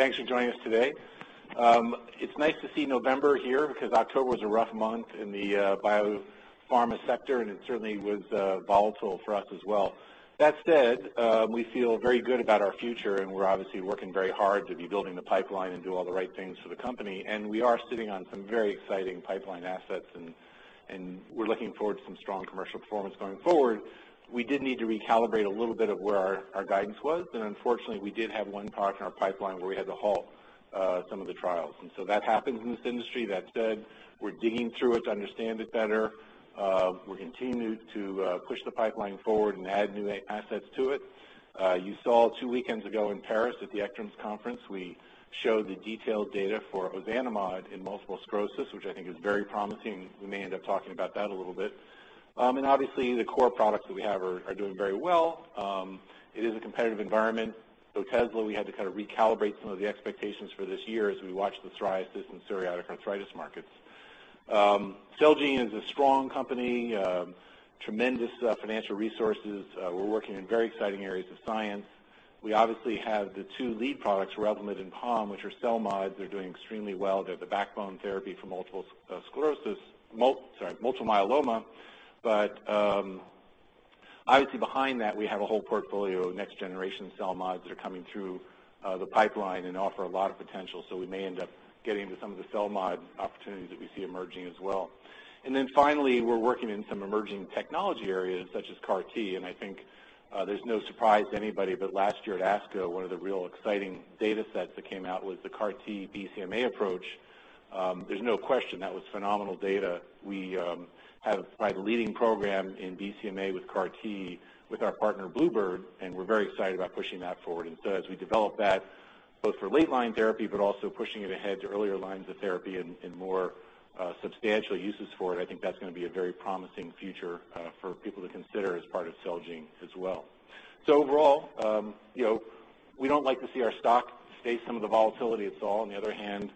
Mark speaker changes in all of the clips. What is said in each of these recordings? Speaker 1: Thanks for joining us today. It's nice to see November here because October was a rough month in the biopharma sector, and it certainly was volatile for us as well. That said, we feel very good about our future, and we're obviously working very hard to be building the pipeline and do all the right things for the company, and we are sitting on some very exciting pipeline assets, and we're looking forward to some strong commercial performance going forward. We did need to recalibrate a little bit of where our guidance was, and unfortunately, we did have one product in our pipeline where we had to halt some of the trials. That happens in this industry. That said, we're digging through it to understand it better. We continue to push the pipeline forward and add new assets to it. You saw two weekends ago in Paris at the ECTRIMS conference, we showed the detailed data for ozanimod in multiple sclerosis, which I think is very promising. We may end up talking about that a little bit. Obviously, the core products that we have are doing very well. It is a competitive environment. Otezla, we had to kind of recalibrate some of the expectations for this year as we watch the psoriasis and psoriatic arthritis markets. Celgene is a strong company, tremendous financial resources. We're working in very exciting areas of science. We obviously have the two lead products, Revlimid and POM, which are cell mods. They're doing extremely well. They're the backbone therapy for multiple myeloma. Obviously behind that, we have a whole portfolio of next-generation cell mods that are coming through the pipeline and offer a lot of potential. We may end up getting into some of the cell mod opportunities that we see emerging as well. Finally, we're working in some emerging technology areas such as CAR T, and I think there's no surprise to anybody, but last year at ASCO, one of the real exciting data sets that came out was the CAR T BCMA approach. There's no question that was phenomenal data. We have probably the leading program in BCMA with CAR T with our partner, Bluebird, and we're very excited about pushing that forward. As we develop that both for late line therapy, but also pushing it ahead to earlier lines of therapy and more substantial uses for it, I think that's going to be a very promising future for people to consider as part of Celgene as well. Overall, we don't like to see our stock face some of the volatility it saw. On the other hand,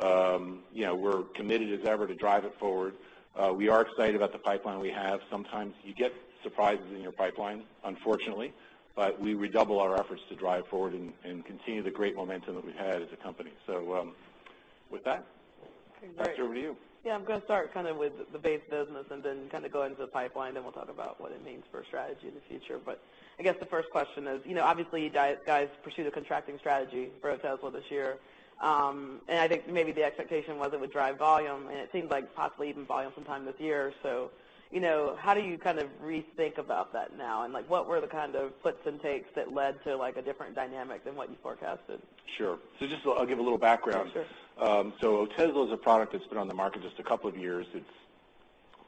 Speaker 1: we're committed as ever to drive it forward. We are excited about the pipeline we have. Sometimes you get surprises in your pipeline, unfortunately, but we redouble our efforts to drive forward and continue the great momentum that we've had as a company. With that, back to review. I'm going to start kind of with the base business and then kind of go into the pipeline, then we'll talk about what it means for strategy in the future. I guess the first question is, obviously, you guys pursued a contracting strategy for Otezla this year. I think maybe the expectation was it would drive volume, and it seems like possibly even volume sometime this year. How do you kind of rethink about that now? What were the kind of flips and takes that led to a different dynamic than what you forecasted? Sure. Just I'll give a little background. Sure. Otezla is a product that's been on the market just a couple of years. It's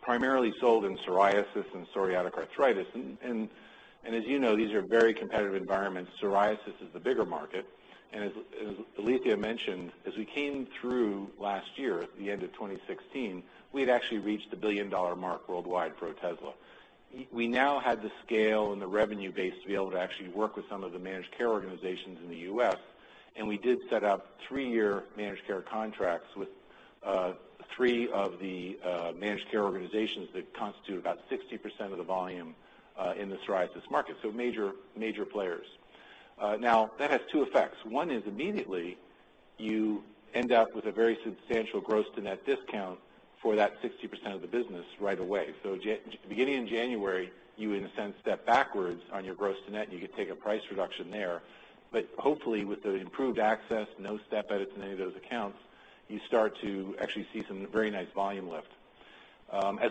Speaker 1: primarily sold in psoriasis and psoriatic arthritis. As you know, these are very competitive environments. Psoriasis is the bigger market. As Alethia mentioned, as we came through last year at the end of 2016, we had actually reached the billion-dollar mark worldwide for Otezla. We now had the scale and the revenue base to be able to actually work with some of the managed care organizations in the U.S., and we did set up three-year managed care contracts with three of the managed care organizations that constitute about 60% of the volume in the psoriasis market. Major players. Now that has two effects. One is immediately you end up with a very substantial gross to net discount for that 60% of the business right away. Beginning in January, you in a sense step backwards on your gross to net, you could take a price reduction there. Hopefully with the improved access, no step edits in any of those accounts, you start to actually see some very nice volume lift.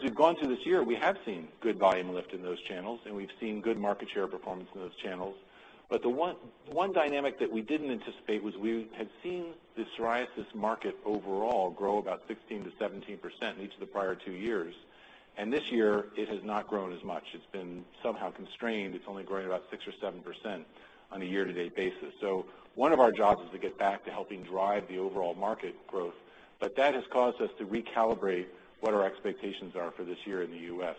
Speaker 1: We've gone through this year, we have seen good volume lift in those channels, we've seen good market share performance in those channels. The one dynamic that we didn't anticipate was we had seen the psoriasis market overall grow about 16%-17% in each of the prior two years. This year it has not grown as much. It's been somehow constrained. It's only growing about 6% or 7% on a year-to-date basis. One of our jobs is to get back to helping drive the overall market growth, but that has caused us to recalibrate what our expectations are for this year in the U.S.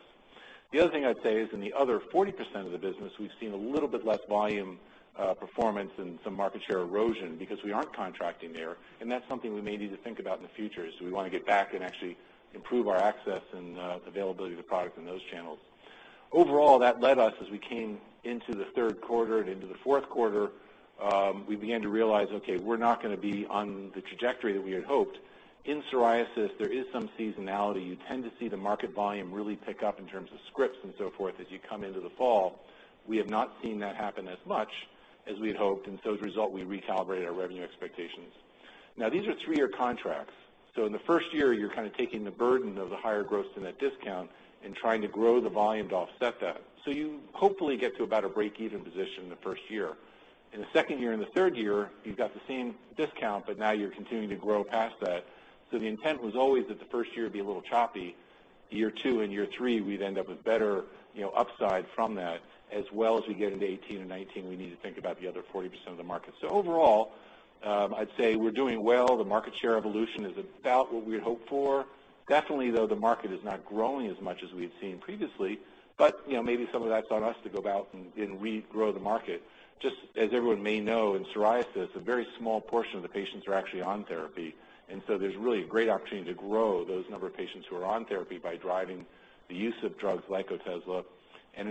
Speaker 1: The other thing I'd say is in the other 40% of the business, we've seen a little bit less volume performance and some market share erosion because we aren't contracting there, and that's something we may need to think about in the future as we want to get back and actually improve our access and availability of the product in those channels. Overall, that led us as we came into the third quarter and into the fourth quarter, we began to realize, okay, we're not going to be on the trajectory that we had hoped. In psoriasis, there is some seasonality. You tend to see the market volume really pick up in terms of scripts and so forth as you come into the fall. We have not seen that happen as much as we'd hoped. As a result, we recalibrated our revenue expectations. These are three-year contracts. In the first year, you're kind of taking the burden of the higher gross to net discount and trying to grow the volume to offset that. You hopefully get to about a break-even position in the first year. In the second year and the third year, you've got the same discount, but now you're continuing to grow past that. The intent was always that the first year would be a little choppy. Year two and year three, we'd end up with better upside from that. As well as we get into 2018 and 2019, we need to think about the other 40% of the market. Overall, I'd say we're doing well. The market share evolution is about what we had hoped for. Definitely, though, the market is not growing as much as we had seen previously, but maybe some of that's on us to go about and regrow the market. Just as everyone may know, in psoriasis, a very small portion of the patients are actually on therapy, there's really a great opportunity to grow those number of patients who are on therapy by driving the use of drugs like Otezla.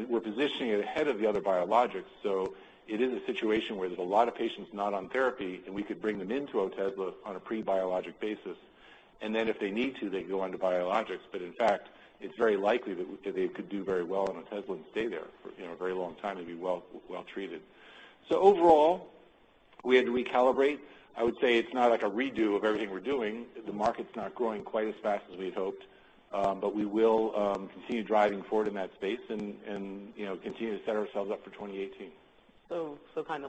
Speaker 1: We're positioning it ahead of the other biologics, it is a situation where there's a lot of patients not on therapy, and we could bring them into Otezla on a pre-biologic basis. If they need to, they go onto biologics. In fact, it's very likely that they could do very well on Otezla and stay there for a very long time and be well treated. Overall, we had to recalibrate. I would say it's not like a redo of everything we're doing. The market's not growing quite as fast as we had hoped, but we will continue driving forward in that space and continue to set ourselves up for 2018.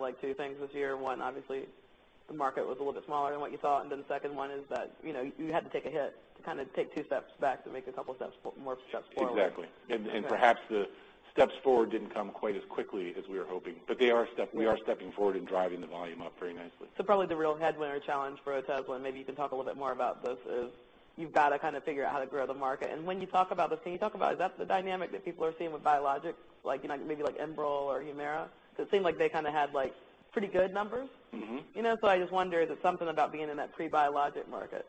Speaker 1: Like two things this year. One, obviously, the market was a little bit smaller than what you thought. The second one is that you had to take a hit to take two steps back to make a couple more steps forward. Exactly. Okay. Perhaps the steps forward didn't come quite as quickly as we were hoping, but we are stepping forward and driving the volume up very nicely. Probably the real headliner challenge for Otezla, and maybe you can talk a little bit more about this, is you've got to figure out how to grow the market. When you talk about this, can you talk about is that the dynamic that people are seeing with biologics? Like Enbrel or Humira? It seemed like they had pretty good numbers. I just wonder, is it something about being in that pre-biologic market?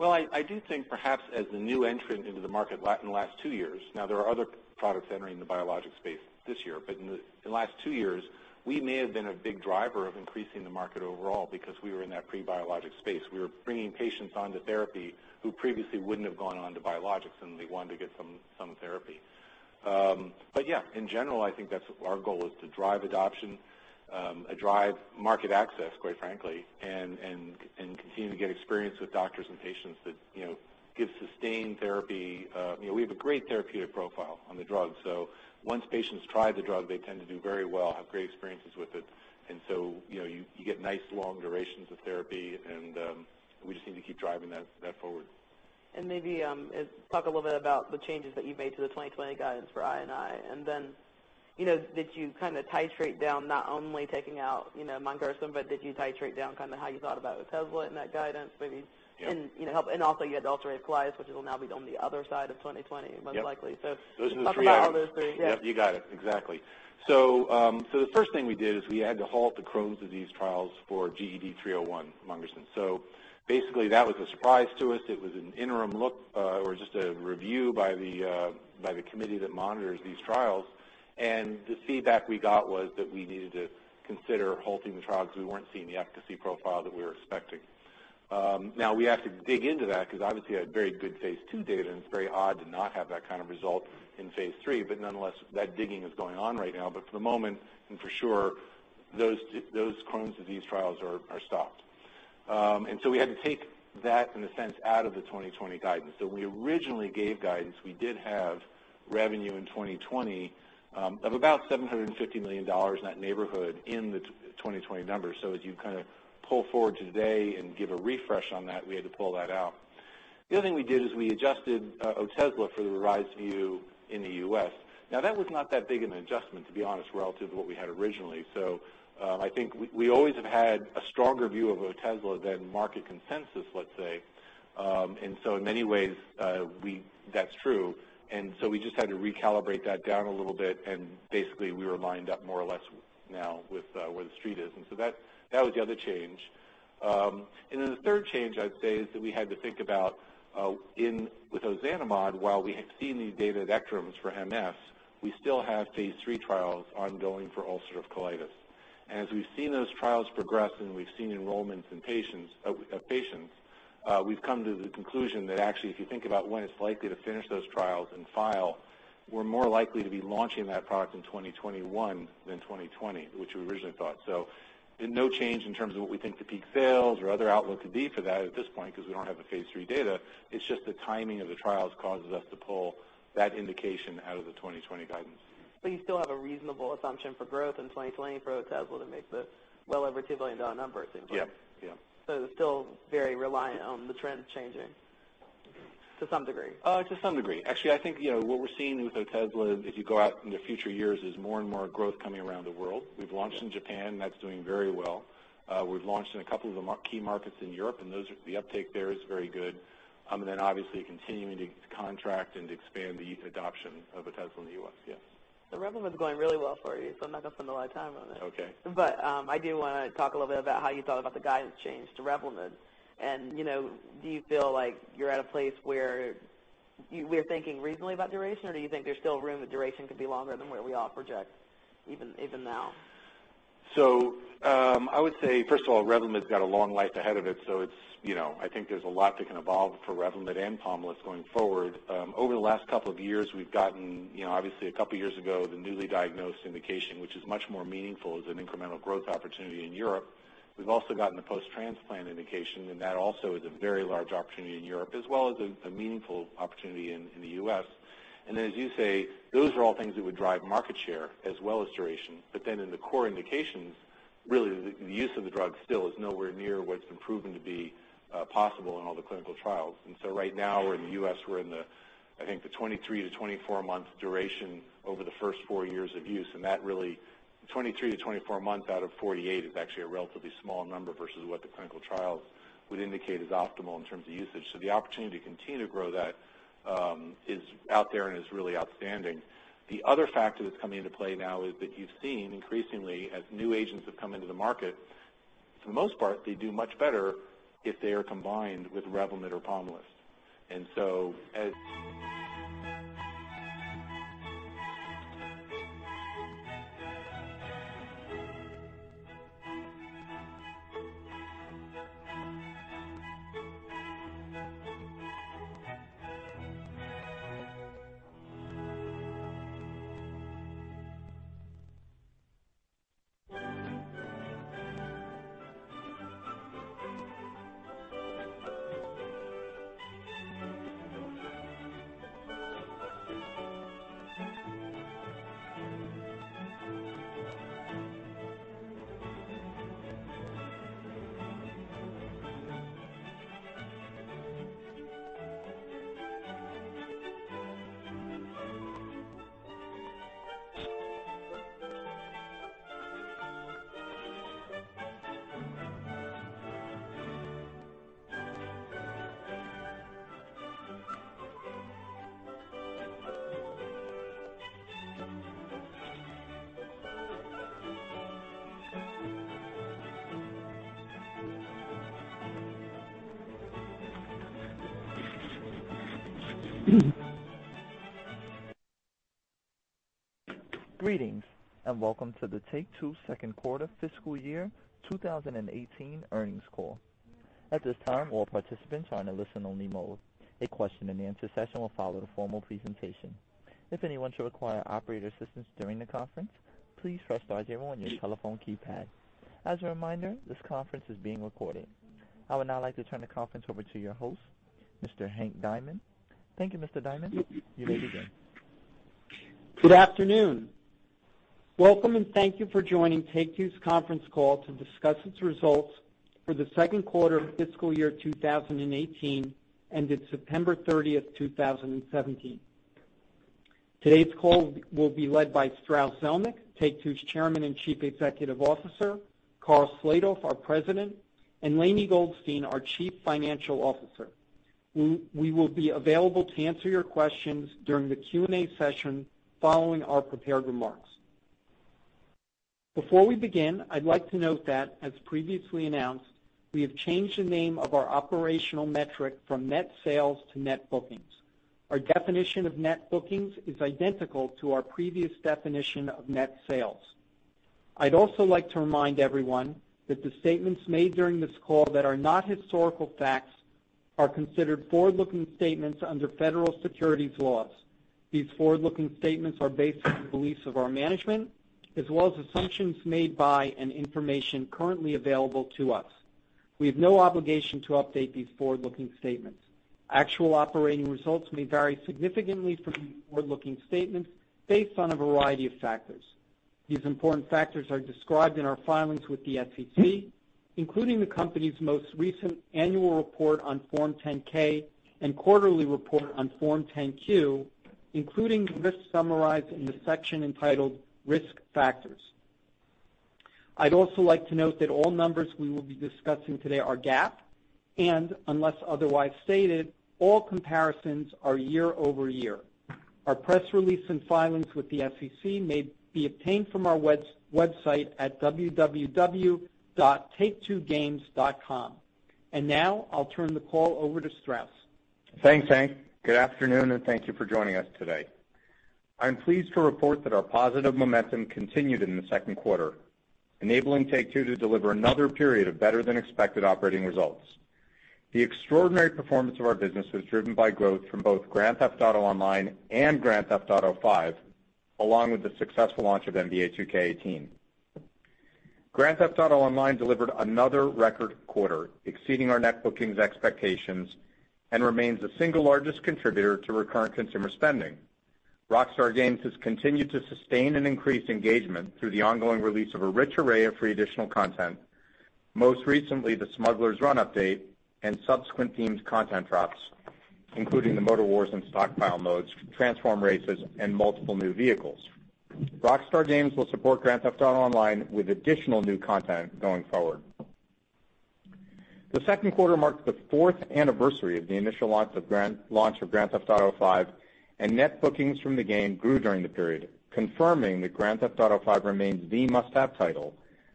Speaker 1: I do think perhaps as the new entrant into the market in the last two years. There are other products entering the biologic space this year. In the last two years, we may have been a big driver of increasing the market overall because we were in that pre-biologic space. We were bringing patients onto therapy who previously wouldn't have gone on to biologics, and they wanted to get some therapy. Yeah, in general, I think that our goal is to drive adoption, drive market access, quite frankly, and continue to get experience with doctors and patients that give sustained therapy. We have a great therapeutic profile on the drug, so once patients try the drug, they tend to do very well, have great experiences with it. You get nice long durations of therapy, and we just need to keep driving that forward. Maybe talk a little bit about the changes that you've made to the 2020 guidance for I&I. Then, did you kind of titrate down, not only taking out Mongersen, but did you titrate down kind of how you thought about Otezla and that guidance maybe? Yeah. Also you had to alter it with psoriasis, which will now be on the other side of 2020, most likely. Yep. Talk about all those things. Yes, you got it. Exactly. The first thing we did is we had to halt the Crohn's disease trials for GED-0301, Mongersen. Basically, that was a surprise to us. It was an interim look or just a review by the committee that monitors these trials, and the feedback we got was that we needed to consider halting the trial because we weren't seeing the efficacy profile that we were expecting. Now we have to dig into that because obviously we had very good phase II data, and it's very odd to not have that kind of result in phase III. Nonetheless, that digging is going on right now. For the moment, and for sure, those Crohn's disease trials are stopped. We had to take that, in a sense, out of the 2020 guidance. We originally gave guidance, we did have revenue in 2020 of about $750 million, in that neighborhood, in the 2020 numbers. As you kind of pull forward to today and give a refresh on that, we had to pull that out. The other thing we did is we adjusted Otezla for the revised view in the U.S. Now, that was not that big of an adjustment, to be honest, relative to what we had originally. I think we always have had a stronger view of Otezla than market consensus, let's say. In many ways, that's true. We just had to recalibrate that down a little bit, and basically, we were lined up more or less now with where the street is. That was the other change. The third change, I'd say, is that we had to think about with ozanimod, while we have seen these data at ECTRIMS for MS, we still have phase III trials ongoing for ulcerative colitis. As we've seen those trials progress and we've seen enrollments of patients, we've come to the conclusion that actually if you think about when it's likely to finish those trials and file, we're more likely to be launching that product in 2021 than 2020, which we originally thought. No change in terms of what we think the peak sales or other outlook could be for that at this point because we don't have the phase III data. It's just the timing of the trials causes us to pull that indication out of the 2020 guidance. You still have a reasonable assumption for growth in 2020 for Otezla to make the well over $2 billion number, it seems like. Yep. It's still very reliant on the trend changing to some degree. To some degree. Actually, I think what we're seeing with Otezla, as you go out into future years, is more and more growth coming around the world. We've launched in Japan. That's doing very well. We've launched in a couple of the key markets in Europe, then obviously continuing to contract and expand the adoption of Otezla in the U.S. Yes. Revlimid is going really well for you, I'm not going to spend a lot of time on it. Okay. I do want to talk a little bit about how you thought about the guidance change to Revlimid. Do you feel like you're at a place where we're thinking reasonably about duration, or do you think there's still room that duration could be longer than what we all project even now? I would say, first of all, Revlimid's got a long life ahead of it, so I think there's a lot that can evolve for Revlimid and Pomalyst going forward. Over the last couple of years, we've gotten, obviously a couple of years ago, the newly diagnosed indication, which is much more meaningful as an incremental growth opportunity in Europe. We've also gotten the post-transplant indication, and that also is a very large opportunity in Europe as well as a meaningful opportunity in the U.S. As you say, those are all things that would drive market share as well as duration. In the core indications, really, the use of the drug still is nowhere near what's been proven to be possible in all the clinical trials. Right now in the U.S., we're in the, I think, the 23-24-month duration over the first four years of use. That really, 23-24 months out of 48 is actually a relatively small number versus what the clinical trials would indicate is optimal in terms of usage. The opportunity to continue to grow that is out there and is really outstanding. The other factor that's coming into play now is that you've seen increasingly as new agents have come into the market, for the most part, they do much better if they are combined with Revlimid or Pomalyst. As-
Speaker 2: Greetings, welcome to the Take-Two second quarter fiscal year 2018 earnings call. At this time, all participants are in a listen-only mode. A question-and-answer session will follow the formal presentation. If anyone should require operator assistance during the conference, please press star zero on your telephone keypad. As a reminder, this conference is being recorded. I would now like to turn the conference over to your host, Mr. Hank Diamond. Thank you, Mr. Diamond. You may begin.
Speaker 3: Good afternoon. Welcome, thank you for joining Take-Two's conference call to discuss its results for the second quarter of fiscal year 2018, ended September 30, 2017. Today's call will be led by Strauss Zelnick, Take-Two's Chairman and Chief Executive Officer, Karl Slatoff, our President, and Lainie Goldstein, our Chief Financial Officer. We will be available to answer your questions during the Q&A session following our prepared remarks. Before we begin, I'd like to note that as previously announced, we have changed the name of our operational metric from net sales to net bookings. Our definition of net bookings is identical to our previous definition of net sales. I'd also like to remind everyone that the statements made during this call that are not historical facts are considered forward-looking statements under federal securities laws. These forward-looking statements are based on the beliefs of our management, as well as assumptions made by and information currently available to us. We have no obligation to update these forward-looking statements. Actual operating results may vary significantly from these forward-looking statements based on a variety of factors. These important factors are described in our filings with the SEC, including the company's most recent annual report on Form 10-K and quarterly report on Form 10-Q, including risks summarized in the section entitled Risk Factors. I'd also like to note that all numbers we will be discussing today are GAAP, unless otherwise stated, all comparisons are year-over-year. Our press release and filings with the SEC may be obtained from our website at www.taketwogames.com. Now, I'll turn the call over to Strauss.
Speaker 4: Thanks, Hank. Good afternoon, and thank you for joining us today. I'm pleased to report that our positive momentum continued in the second quarter, enabling Take-Two to deliver another period of better than expected operating results. The extraordinary performance of our business was driven by growth from both Grand Theft Auto Online and Grand Theft Auto V, along with the successful launch of NBA 2K18. Grand Theft Auto Online delivered another record quarter, exceeding our net bookings expectations and remains the single largest contributor to recurrent consumer spending. Rockstar Games has continued to sustain and increase engagement through the ongoing release of a rich array of free additional content, most recently the Smuggler's Run update and subsequent themed content drops, including the Motor Wars and Stockpile modes, transform races, and multiple new vehicles. Rockstar Games will support Grand Theft Auto Online with additional new content going forward. The second quarter marked the fourth anniversary of the initial launch of Grand Theft Auto V, net bookings from the game grew during the period, confirming that Grand Theft Auto V remains the must-have title,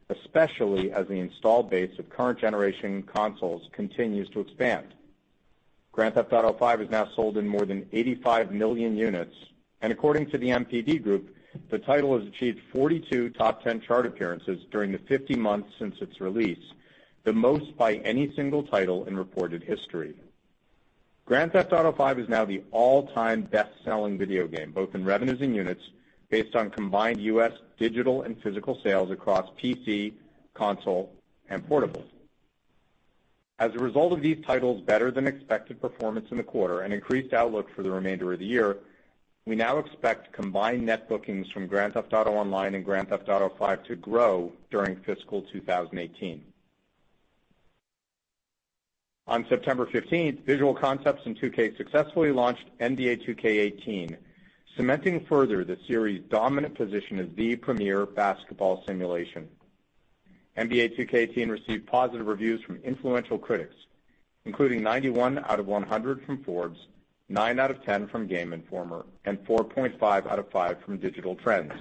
Speaker 4: especially as the install base of current generation consoles continues to expand. Grand Theft Auto V has now sold in more than 85 million units, and according to the NPD Group, the title has achieved 42 top 10 chart appearances during the 50 months since its release, the most by any single title in reported history. Grand Theft Auto V is now the all-time best-selling video game, both in revenues and units, based on combined U.S. digital and physical sales across PC, console, and portables. As a result of these titles' better than expected performance in the quarter and increased outlook for the remainder of the year, we now expect combined net bookings from Grand Theft Auto Online and Grand Theft Auto V to grow during fiscal 2018. On September 15th, Visual Concepts and 2K successfully launched NBA 2K18, cementing further the series' dominant position as the premier basketball simulation. NBA 2K18 received positive reviews from influential critics, including 91 out of 100 from Forbes, nine out of 10 from Game Informer, and 4.5 out of five from Digital Trends.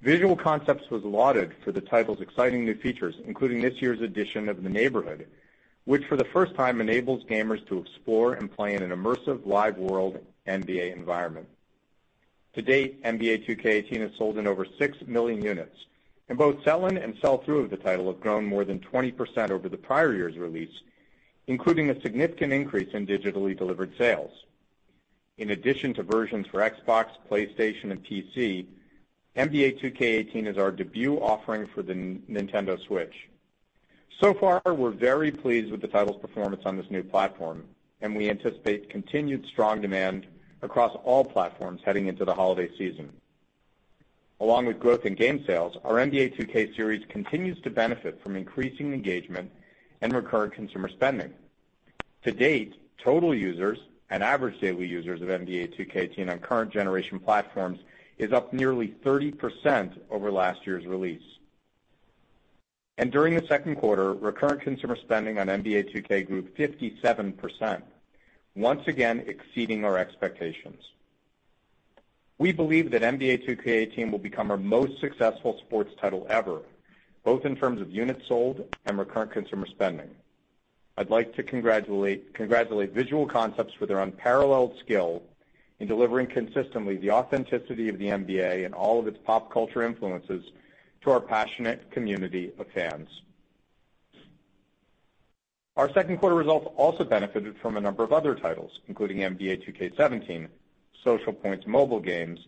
Speaker 4: Visual Concepts was lauded for the title's exciting new features, including this year's edition of The Neighborhood, which for the first time enables gamers to explore and play in an immersive live world NBA environment. To date, NBA 2K18 has sold in over 6 million units, and both sell-in and sell-through of the title have grown more than 20% over the prior year's release, including a significant increase in digitally delivered sales. In addition to versions for Xbox, PlayStation, and PC, NBA 2K18 is our debut offering for the Nintendo Switch. Far, we're very pleased with the title's performance on this new platform, and we anticipate continued strong demand across all platforms heading into the holiday season. Along with growth in game sales, our NBA 2K series continues to benefit from increasing engagement and recurrent consumer spending. To date, total users and average daily users of NBA 2K18 on current generation platforms is up nearly 30% over last year's release. During the second quarter, recurrent consumer spending on NBA 2K grew 57%, once again exceeding our expectations. We believe that NBA 2K18 will become our most successful sports title ever, both in terms of units sold and recurrent consumer spending. I'd like to congratulate Visual Concepts for their unparalleled skill in delivering consistently the authenticity of the NBA and all of its pop culture influences to our passionate community of fans. Our second quarter results also benefited from a number of other titles, including NBA 2K17, Social Point's mobile games,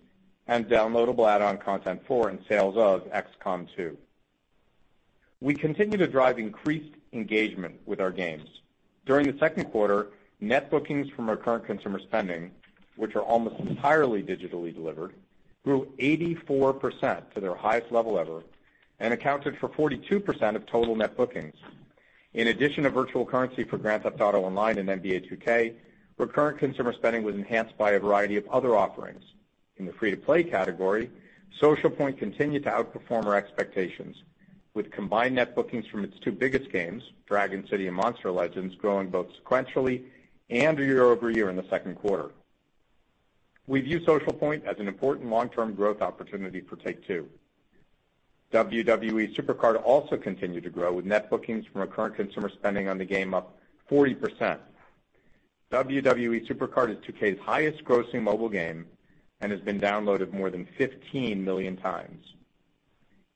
Speaker 4: and downloadable add-on content for and sales of XCOM 2. We continue to drive increased engagement with our games. During the second quarter, net bookings from recurrent consumer spending, which are almost entirely digitally delivered, grew 84% to their highest level ever and accounted for 42% of total net bookings. In addition to virtual currency for Grand Theft Auto Online and NBA 2K, recurrent consumer spending was enhanced by a variety of other offerings. In the free-to-play category, Social Point continued to outperform our expectations with combined net bookings from its two biggest games, Dragon City and Monster Legends, growing both sequentially and year-over-year in the second quarter. We view Social Point as an important long-term growth opportunity for Take-Two. WWE SuperCard also continued to grow, with net bookings from recurrent consumer spending on the game up 40%. WWE SuperCard is 2K's highest-grossing mobile game and has been downloaded more than 15 million times.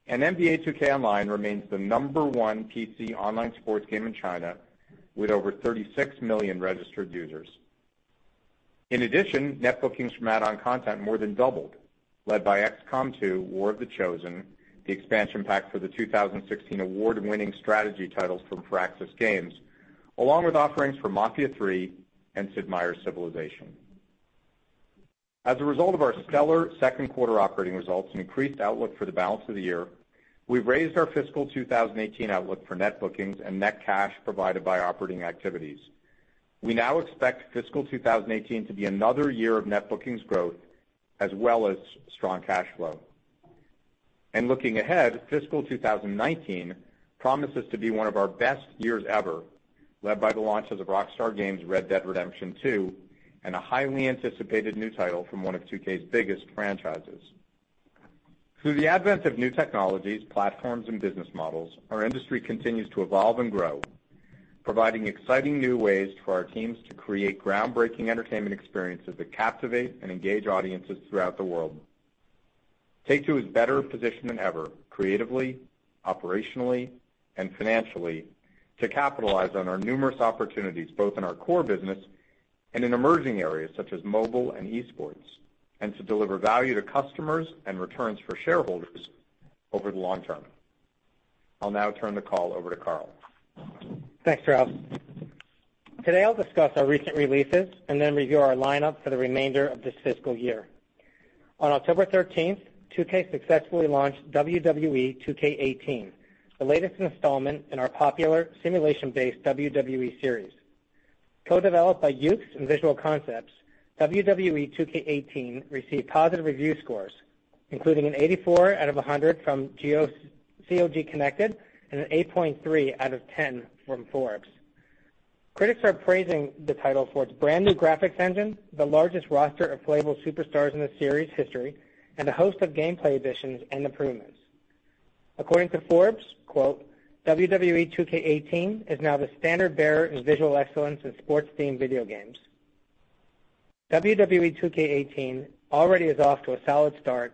Speaker 4: NBA 2K Online remains the number 1 PC online sports game in China, with over 36 million registered users. In addition, net bookings from add-on content more than doubled, led by XCOM 2: War of the Chosen, the expansion pack for the 2016 award-winning strategy titles from Firaxis Games, along with offerings from Mafia III and Sid Meier's Civilization. As a result of our stellar second quarter operating results and increased outlook for the balance of the year, we've raised our fiscal 2018 outlook for net bookings and net cash provided by operating activities. We now expect fiscal 2018 to be another year of net bookings growth as well as strong cash flow. Looking ahead, fiscal 2019 promises to be one of our best years ever, led by the launches of Rockstar Games' Red Dead Redemption 2 and a highly anticipated new title from one of 2K's biggest franchises. Through the advent of new technologies, platforms, and business models, our industry continues to evolve and grow, providing exciting new ways for our teams to create groundbreaking entertainment experiences that captivate and engage audiences throughout the world. Take-Two is better positioned than ever creatively, operationally, and financially to capitalize on our numerous opportunities, both in our core business and in emerging areas such as mobile and esports, and to deliver value to customers and returns for shareholders over the long term. I'll now turn the call over to Karl.
Speaker 5: Thanks, Strauss. Today, I'll discuss our recent releases and then review our lineup for the remainder of this fiscal year. On October 13th, 2K successfully launched WWE 2K18, the latest installment in our popular simulation-based WWE series. Co-developed by Yuke's and Visual Concepts, WWE 2K18 received positive review scores, including an 84 out of 100 from COGconnected and an 8.3 out of 10 from Forbes. Critics are praising the title for its brand-new graphics engine, the largest roster of playable superstars in the series' history, and a host of gameplay additions and improvements. According to Forbes, quote, "WWE 2K18 is now the standard-bearer in visual excellence in sports-themed video games." WWE 2K18 already is off to a solid start,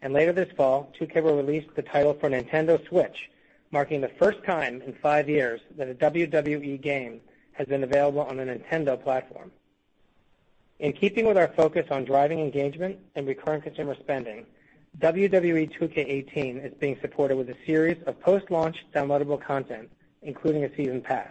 Speaker 5: and later this fall, 2K will release the title for Nintendo Switch, marking the first time in five years that a WWE game has been available on a Nintendo platform. In keeping with our focus on driving engagement and recurrent consumer spending, WWE 2K18 is being supported with a series of post-launch downloadable content, including a season pass.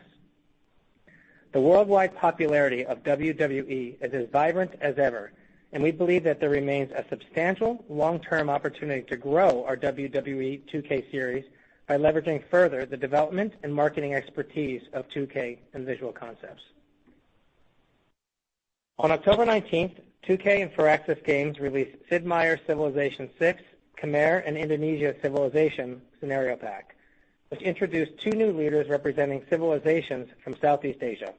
Speaker 5: The worldwide popularity of WWE is as vibrant as ever, and we believe that there remains a substantial long-term opportunity to grow our WWE 2K series by leveraging further the development and marketing expertise of 2K and Visual Concepts. On October 19th, 2K and Firaxis Games released Sid Meier's Civilization VI: Khmer and Indonesia Civilization & Scenario Pack, which introduced two new leaders representing civilizations from Southeast Asia.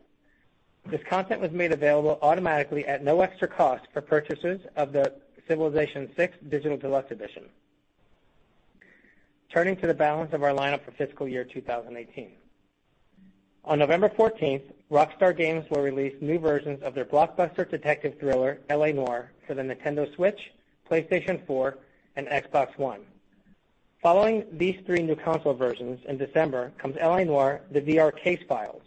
Speaker 5: This content was made available automatically at no extra cost for purchasers of the Civilization VI Digital Deluxe edition. Turning to the balance of our lineup for fiscal year 2018. On November 14th, Rockstar Games will release new versions of their blockbuster detective thriller, "L.A. Noire," for the Nintendo Switch, PlayStation 4, and Xbox One. Following these three new console versions in December comes "L.A. Noire: The VR Case Files,"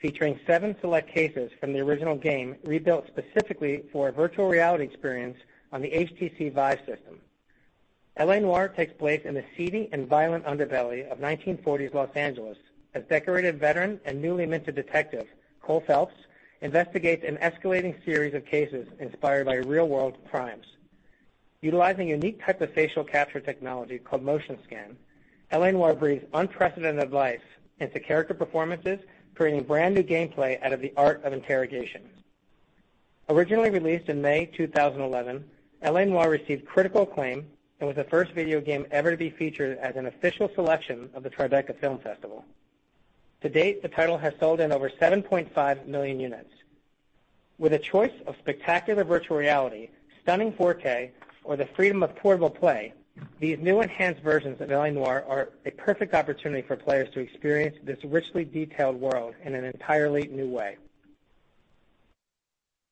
Speaker 5: featuring seven select cases from the original game rebuilt specifically for a virtual reality experience on the HTC Vive system. "L.A. Noire" takes place in the seedy and violent underbelly of 1940s Los Angeles as decorated veteran and newly minted detective, Cole Phelps, investigates an escalating series of cases inspired by real-world crimes. Utilizing a unique type of facial capture technology called MotionScan, "L.A. Noire" breathes unprecedented life into character performances, creating brand-new gameplay out of the art of interrogation. Originally released in May 2011, "L.A. Noire" received critical acclaim and was the first video game ever to be featured as an official selection of the Tribeca Film Festival. To date, the title has sold in over 7.5 million units. With a choice of spectacular virtual reality, stunning 4K, or the freedom of portable play, these new enhanced versions of L.A. Noire are a perfect opportunity for players to experience this richly detailed world in an entirely new way.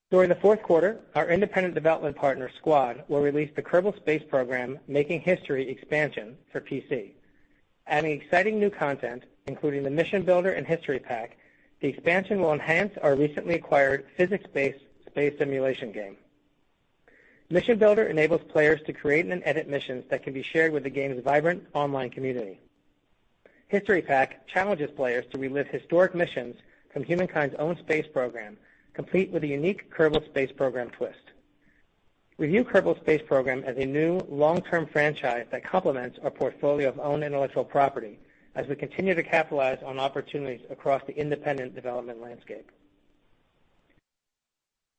Speaker 5: During the fourth quarter, our independent development partner, Squad, will release the Kerbal Space Program: Making History expansion for PC. Adding exciting new content, including the Mission Builder and History Pack, the expansion will enhance our recently acquired physics-based space simulation game. Mission Builder enables players to create and edit missions that can be shared with the game's vibrant online community. History Pack challenges players to relive historic missions from humankind's own space program, complete with a unique Kerbal Space Program twist. We view Kerbal Space Program as a new long-term franchise that complements our portfolio of own intellectual property as we continue to capitalize on opportunities across the independent development landscape.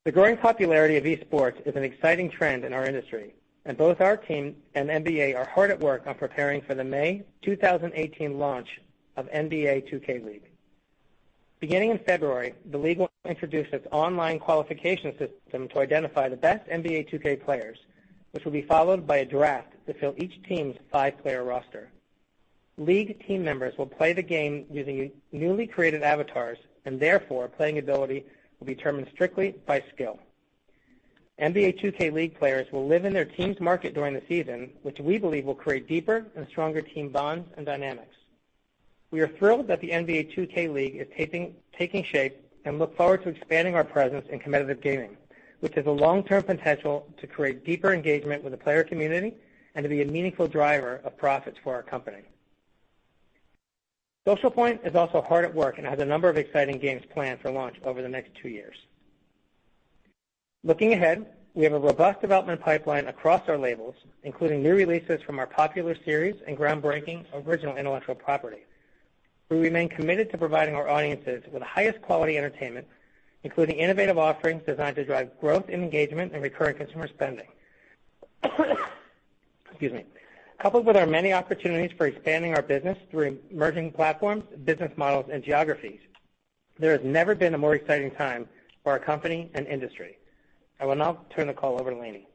Speaker 5: The growing popularity of esports is an exciting trend in our industry, and both our team and NBA are hard at work on preparing for the May 2018 launch of NBA 2K League. Beginning in February, the league will introduce its online qualification system to identify the best NBA 2K players, which will be followed by a draft to fill each team's five-player roster. League team members will play the game using newly created avatars, and therefore, playing ability will be determined strictly by skill. NBA 2K League players will live in their team's market during the season, which we believe will create deeper and stronger team bonds and dynamics. We are thrilled that the NBA 2K League is taking shape and look forward to expanding our presence in competitive gaming, which has a long-term potential to create deeper engagement with the player community and to be a meaningful driver of profits for our company. Social Point is also hard at work and has a number of exciting games planned for launch over the next two years. Looking ahead, we have a robust development pipeline across our labels, including new releases from our popular series and groundbreaking original intellectual property. We remain committed to providing our audiences with the highest quality entertainment, including innovative offerings designed to drive growth in engagement and recurring consumer spending. Excuse me. Coupled with our many opportunities for expanding our business through emerging platforms, business models, and geographies, there has never been a more exciting time for our company and industry. I will now turn the call over to Lainie.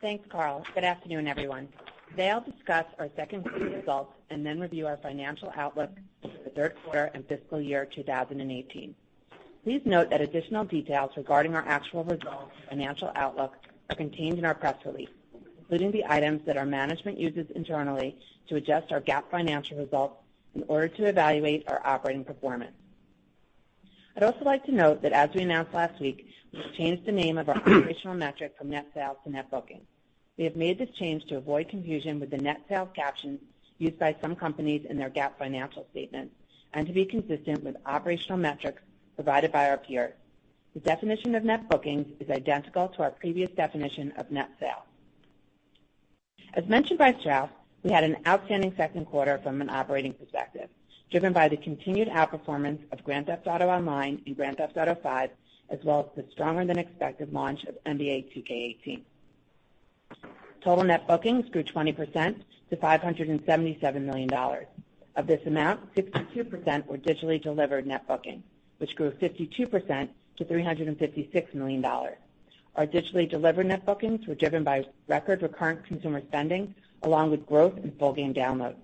Speaker 6: Thanks, Karl. Good afternoon, everyone. Today, I will discuss our second quarter results and then review our financial outlook for the third quarter and fiscal year 2018. Please note that additional details regarding our actual results and financial outlook are contained in our press release, including the items that our management uses internally to adjust our GAAP financial results in order to evaluate our operating performance. I would also like to note that as we announced last week, we have changed the name of our operational metric from net sales to net bookings. We have made this change to avoid confusion with the net sales caption used by some companies in their GAAP financial statements and to be consistent with operational metrics provided by our peers. The definition of net bookings is identical to our previous definition of net sales. As mentioned by Strauss, we had an outstanding second quarter from an operating perspective, driven by the continued outperformance of Grand Theft Auto Online and Grand Theft Auto V, as well as the stronger than expected launch of NBA 2K18. Total net bookings grew 20% to $577 million. Of this amount, 62% were digitally delivered net bookings, which grew 52% to $356 million. Our digitally delivered net bookings were driven by record recurring consumer spending, along with growth in full game downloads.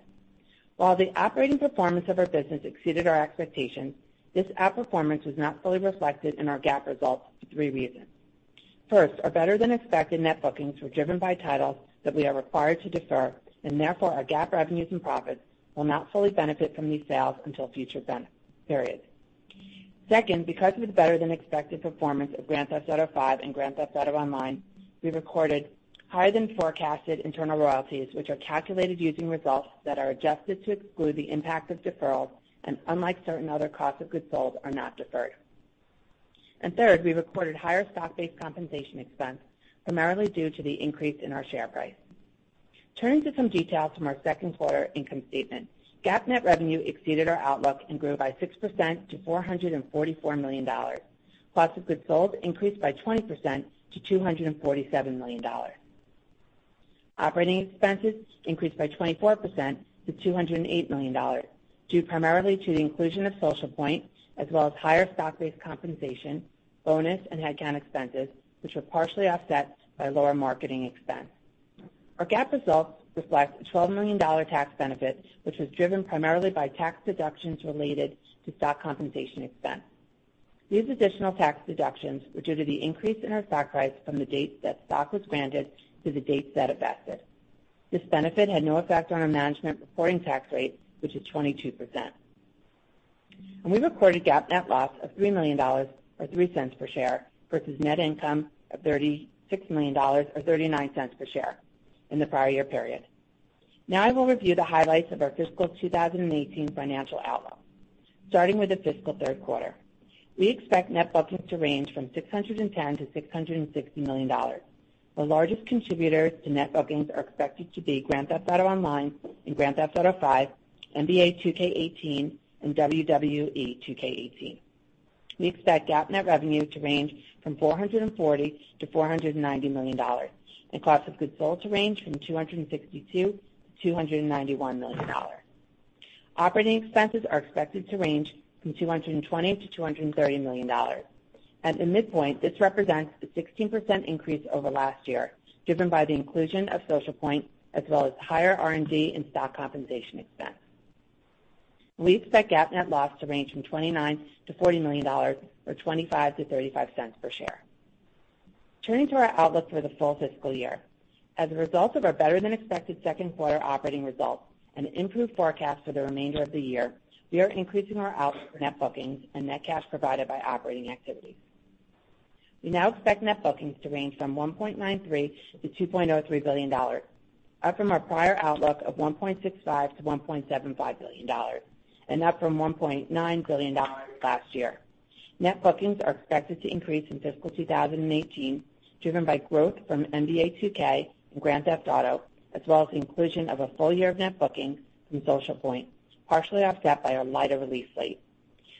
Speaker 6: While the operating performance of our business exceeded our expectations, this outperformance was not fully reflected in our GAAP results for three reasons. First, our better-than-expected net bookings were driven by titles that we are required to defer, and therefore our GAAP revenues and profits will not fully benefit from these sales until future (vend periods) Second, because of the better than expected performance of Grand Theft Auto V and Grand Theft Auto Online, we recorded higher than forecasted internal royalties, which are calculated using results that are adjusted to exclude the impact of deferrals, and unlike certain other costs of goods sold, are not deferred. Third, we recorded higher stock-based compensation expense, primarily due to the increase in our share price. Turning to some details from our second quarter income statement. GAAP net revenue exceeded our outlook and grew by 6% to $444 million. Cost of goods sold increased by 20% to $247 million. Operating expenses increased by 24% to $208 million. Due primarily to the inclusion of Social Point as well as higher stock-based compensation, bonus, and headcount expenses, which were partially offset by lower marketing expense. Our GAAP results reflect a $12 million tax benefit, which was driven primarily by tax deductions related to stock compensation expense. These additional tax deductions were due to the increase in our stock price from the date that stock was granted to the date that it vested. This benefit had no effect on our management reporting tax rate, which is 22%. We recorded GAAP net loss of $3 million or $0.03 per share, versus net income of $36 million or $0.39 per share in the prior year period. Now I will review the highlights of our fiscal 2018 financial outlook, starting with the fiscal third quarter. We expect net bookings to range from $610 million to $660 million. The largest contributors to net bookings are expected to be "Grand Theft Auto Online" and "Grand Theft Auto V," "NBA 2K18" and "WWE 2K18." We expect GAAP net revenue to range from $440 million to $490 million, and cost of goods sold to range from $262 million to $291 million. Operating expenses are expected to range from $220 million to $230 million. At the midpoint, this represents a 16% increase over last year, driven by the inclusion of Social Point, as well as higher R&D and stock compensation expense. We expect GAAP net loss to range from $29 million to $40 million or $0.25 to $0.35 per share. Turning to our outlook for the full fiscal year. As a result of our better-than-expected second quarter operating results and improved forecast for the remainder of the year, we are increasing our outlook for net bookings and net cash provided by operating activities. We now expect net bookings to range from $1.93 billion to $2.03 billion, up from our prior outlook of $1.65 billion to $1.75 billion, and up from $1.9 billion last year. Net bookings are expected to increase in fiscal 2018, driven by growth from "NBA 2K" and "Grand Theft Auto," as well as the inclusion of a full year of net bookings from Social Point, partially offset by our lighter release slate.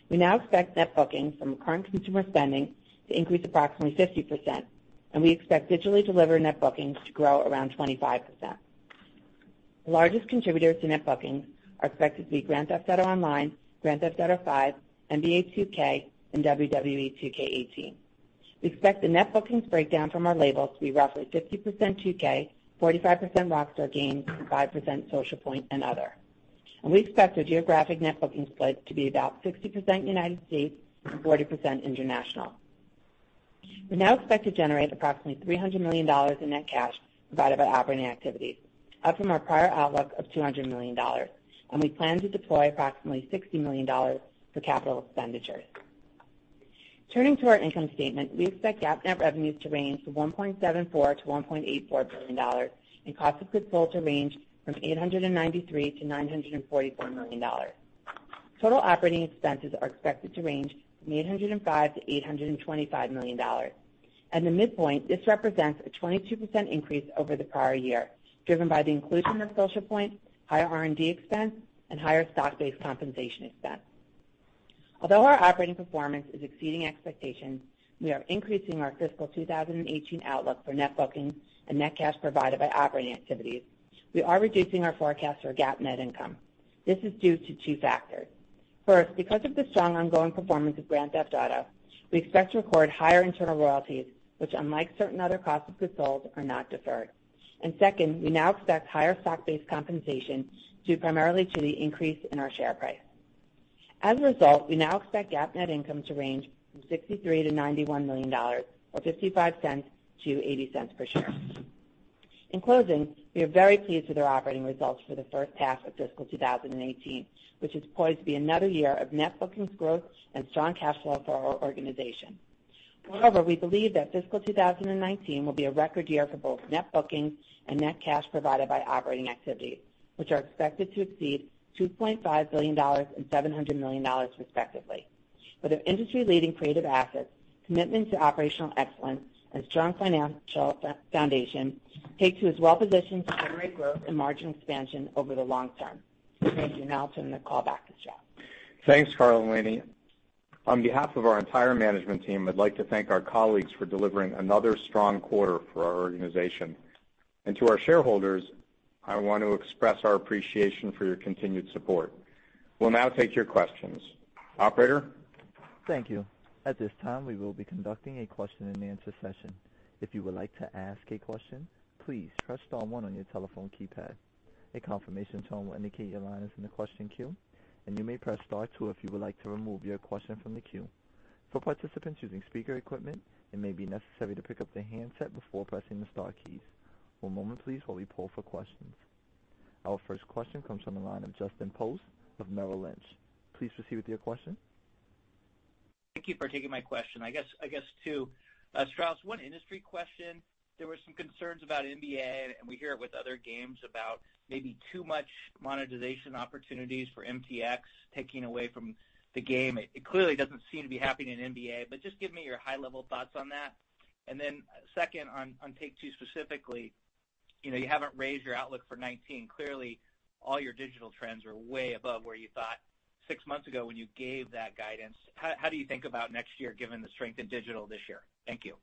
Speaker 6: We now expect net bookings from current consumer spending to increase approximately 50%, and we expect digitally delivered net bookings to grow around 25%. The largest contributors to net bookings are expected to be "Grand Theft Auto Online," "Grand Theft Auto V," "NBA 2K," and "WWE 2K18." We expect the net bookings breakdown from our labels to be roughly 50% 2K, 45% Rockstar Games, and 5% Social Point and other. We expect the geographic net bookings split to be about 60% U.S. and 40% international. We now expect to generate approximately $300 million in net cash provided by operating activities, up from our prior outlook of $200 million, and we plan to deploy approximately $60 million for capital expenditures. Turning to our income statement, we expect GAAP net revenues to range from $1.74 billion to $1.84 billion, and cost of goods sold to range from $893 million to $944 million. Total operating expenses are expected to range from $805 million to $825 million. At the midpoint, this represents a 22% increase over the prior year, driven by the inclusion of Social Point, higher R&D expense, and higher stock-based compensation expense. Although our operating performance is exceeding expectations, we are increasing our fiscal 2018 outlook for net bookings and net cash provided by operating activities. We are reducing our forecast for GAAP net income. This is due to two factors. First, because of the strong ongoing performance of "Grand Theft Auto," we expect to record higher internal royalties, which unlike certain other costs of goods sold, are not deferred. Second, we now expect higher stock-based compensation, due primarily to the increase in our share price. As a result, we now expect GAAP net income to range from $63 million to $91 million or $0.55 to $0.80 per share. In closing, we are very pleased with our operating results for the first half of fiscal 2018, which is poised to be another year of net bookings growth and strong cash flow for our organization. However, we believe that fiscal 2019 will be a record year for both net bookings and net cash provided by operating activities, which are expected to exceed $2.5 billion and $700 million respectively. With our industry-leading creative assets, commitment to operational excellence, and strong financial foundation, Take-Two is well positioned to generate growth and margin expansion over the long term. Thank you. Now I'll turn the call back to Strauss.
Speaker 4: Thanks, Karl and Lainie. On behalf of our entire management team, I'd like to thank our colleagues for delivering another strong quarter for our organization. To our shareholders, I want to express our appreciation for your continued support. We'll now take your questions. Operator?
Speaker 2: Thank you. At this time, we will be conducting a question-and-answer session. If you would like to ask a question, please press star one on your telephone keypad. A confirmation tone will indicate your line is in the question queue, and you may press star two if you would like to remove your question from the queue. For participants using speaker equipment, it may be necessary to pick up the handset before pressing the star keys. One moment please while we poll for questions. Our first question comes from the line of Justin Post of Merrill Lynch. Please proceed with your question.
Speaker 7: Thank you for taking my question. I guess two. Strauss, one industry question. There were some concerns about NBA, and we hear it with other games about maybe too much monetization opportunities for MTX taking away from the game. It clearly doesn't seem to be happening in NBA, but just give me your high-level thoughts on that. Then second, on Take-Two specifically, you haven't raised your outlook for 2019. Clearly, all your digital trends are way above where you thought six months ago when you gave that guidance. How do you think about next year given the strength in digital this year? Thank you.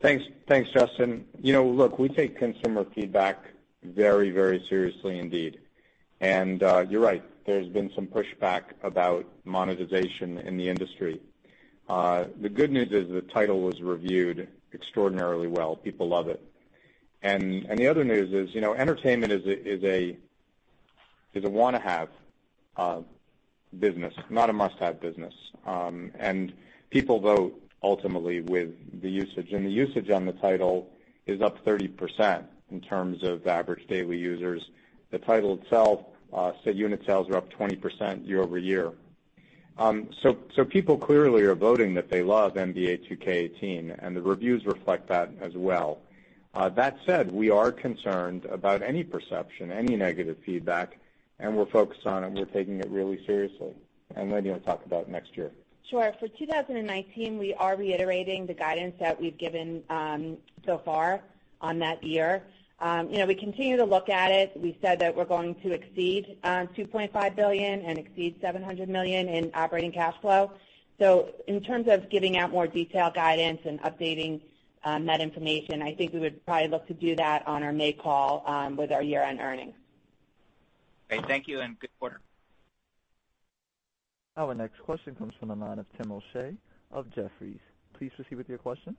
Speaker 4: Thanks, Justin. Look, we take consumer feedback very, very seriously indeed. You're right, there's been some pushback about monetization in the industry. The good news is the title was reviewed extraordinarily well. People love it. The other news is, entertainment is a want-to-have business, not a must-have business. People vote ultimately with the usage. The usage on the title is up 30% in terms of average daily users. The title itself, say unit sales are up 20% year-over-year. People clearly are voting that they love "NBA 2K18," and the reviews reflect that as well. That said, we are concerned about any perception, any negative feedback, and we're focused on it, and we're taking it really seriously. Lainie, you want to talk about next year.
Speaker 6: Sure. For 2019, we are reiterating the guidance that we've given so far on that year. We continue to look at it. We said that we're going to exceed $2.5 billion and exceed $700 million in operating cash flow. In terms of giving out more detailed guidance and updating that information, I think we would probably look to do that on our May call with our year-end earnings.
Speaker 7: Great. Thank you. Good quarter.
Speaker 2: Our next question comes from the line of Timothy O'Shea of Jefferies. Please proceed with your question.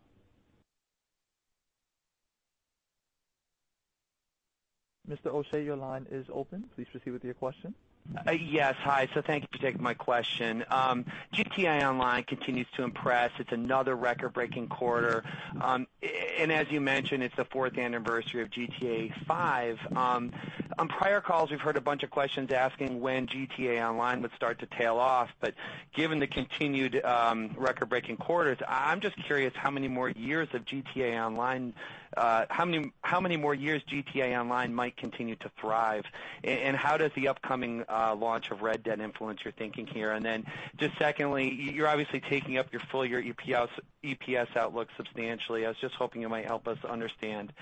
Speaker 2: Mr. O'Shea, your line is open. Please proceed with your question.
Speaker 8: Yes. Hi. Thank you for taking my question. GTA Online continues to impress. It's another record-breaking quarter. As you mentioned, it's the fourth anniversary of GTA V. On prior calls, we've heard a bunch of questions asking when GTA Online would start to tail off, but given the continued record-breaking quarters, I'm just curious how many more years GTA Online might continue to thrive. How does the upcoming launch of Red Dead influence your thinking here? Secondly, you're obviously taking up your full year EPS outlook substantially. I was just hoping you might help us understand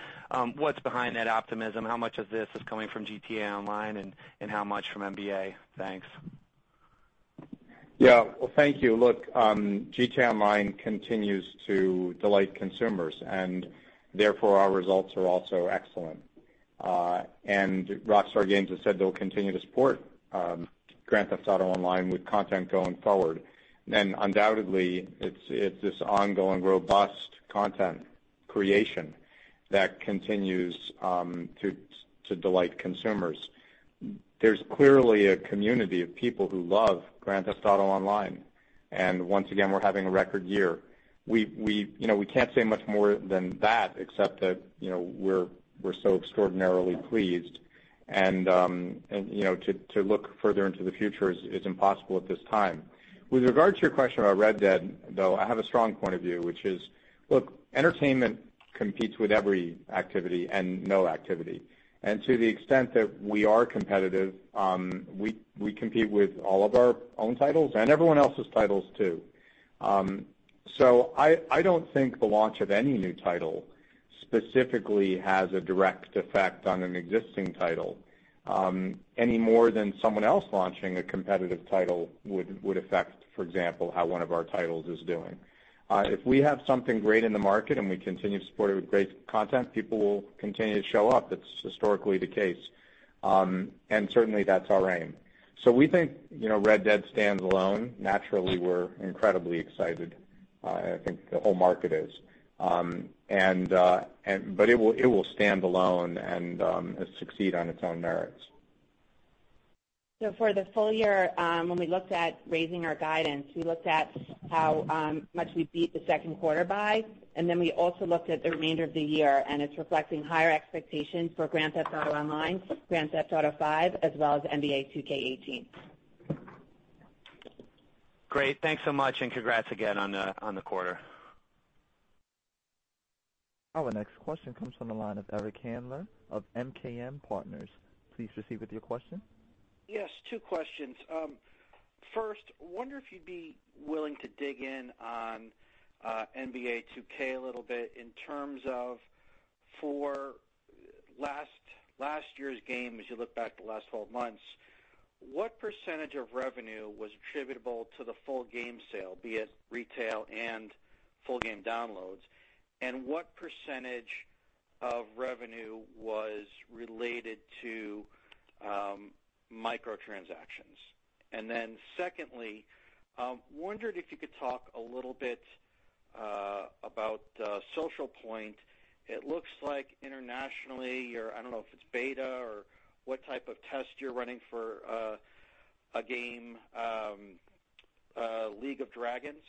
Speaker 8: what's behind that optimism and how much of this is coming from GTA Online and how much from NBA. Thanks.
Speaker 4: Yeah. Well, thank you. Look, GTA Online continues to delight consumers, and therefore our results are also excellent. Rockstar Games has said they'll continue to support Grand Theft Auto Online with content going forward. Undoubtedly, it's this ongoing, robust content creation that continues to delight consumers. There's clearly a community of people who love Grand Theft Auto Online, and once again, we're having a record year. We can't say much more than that except that we're so extraordinarily pleased, and to look further into the future is impossible at this time. With regard to your question about Red Dead, though, I have a strong point of view, which is, look, entertainment competes with every activity and no activity. To the extent that we are competitive, we compete with all of our own titles and everyone else's titles too. I don't think the launch of any new title specifically has a direct effect on an existing title, any more than someone else launching a competitive title would affect, for example, how one of our titles is doing. If we have something great in the market and we continue to support it with great content, people will continue to show up. That's historically the case. Certainly, that's our aim. We think Red Dead stands alone. Naturally, we're incredibly excited. I think the whole market is. It will stand alone and succeed on its own merits.
Speaker 6: For the full year, when we looked at raising our guidance, we looked at how much we beat the second quarter by, and then we also looked at the remainder of the year, and it's reflecting higher expectations for Grand Theft Auto Online, Grand Theft Auto V, as well as NBA 2K18.
Speaker 8: Great. Thanks so much, congrats again on the quarter.
Speaker 2: Our next question comes from the line of Eric Handler of MKM Partners. Please proceed with your question.
Speaker 9: Yes, two questions. First, wonder if you'd be willing to dig in on NBA 2K a little bit in terms of for last year's game, as you look back the last 12 months, what % of revenue was attributable to the full game sale, be it retail and full game downloads, and what % of revenue was related to micro-transactions? Secondly, wondered if you could talk a little bit about Social Point. It looks like internationally, or I don't know if it's beta or what type of test you're running for a game, League of Dragons.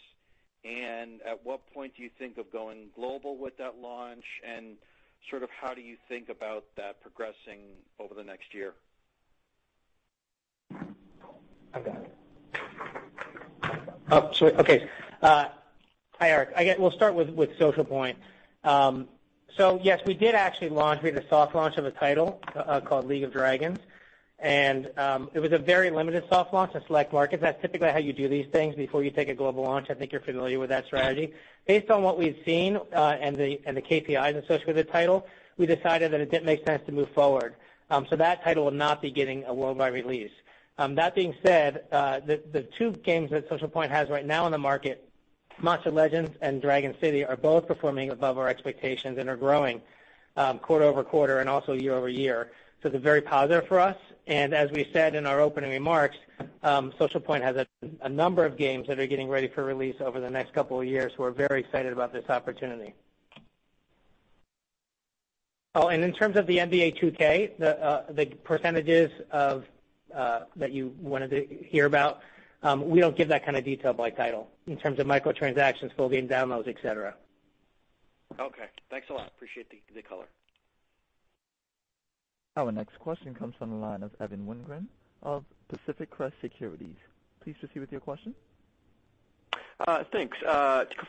Speaker 9: At what point do you think of going global with that launch, and sort of how do you think about that progressing over the next year?
Speaker 5: I've got it. Oh, sorry. Okay. Hi, Eric. We'll start with Social Point. Yes, we did actually launch. We had a soft launch of a title called League of Dragons, and it was a very limited soft launch to select markets. That's typically how you do these things before you take a global launch. I think you're familiar with that strategy. Based on what we've seen, and the KPIs associated with the title, we decided that it didn't make sense to move forward. That title will not be getting a worldwide release.
Speaker 4: That being said, the two games that Social Point has right now in the market, Monster Legends and Dragon City, are both performing above our expectations and are growing quarter-over-quarter and also year-over-year. They're very positive for us. As we said in our opening remarks, Social Point has a number of games that are getting ready for release over the next couple of years. We're very excited about this opportunity. In terms of the NBA 2K, the % that you wanted to hear about, we don't give that kind of detail by title in terms of micro-transactions, full game downloads, et cetera.
Speaker 9: Okay. Thanks a lot. Appreciate the color.
Speaker 2: Our next question comes from the line of Evan Wingren of Pacific Crest Securities. Please proceed with your question.
Speaker 10: Thanks.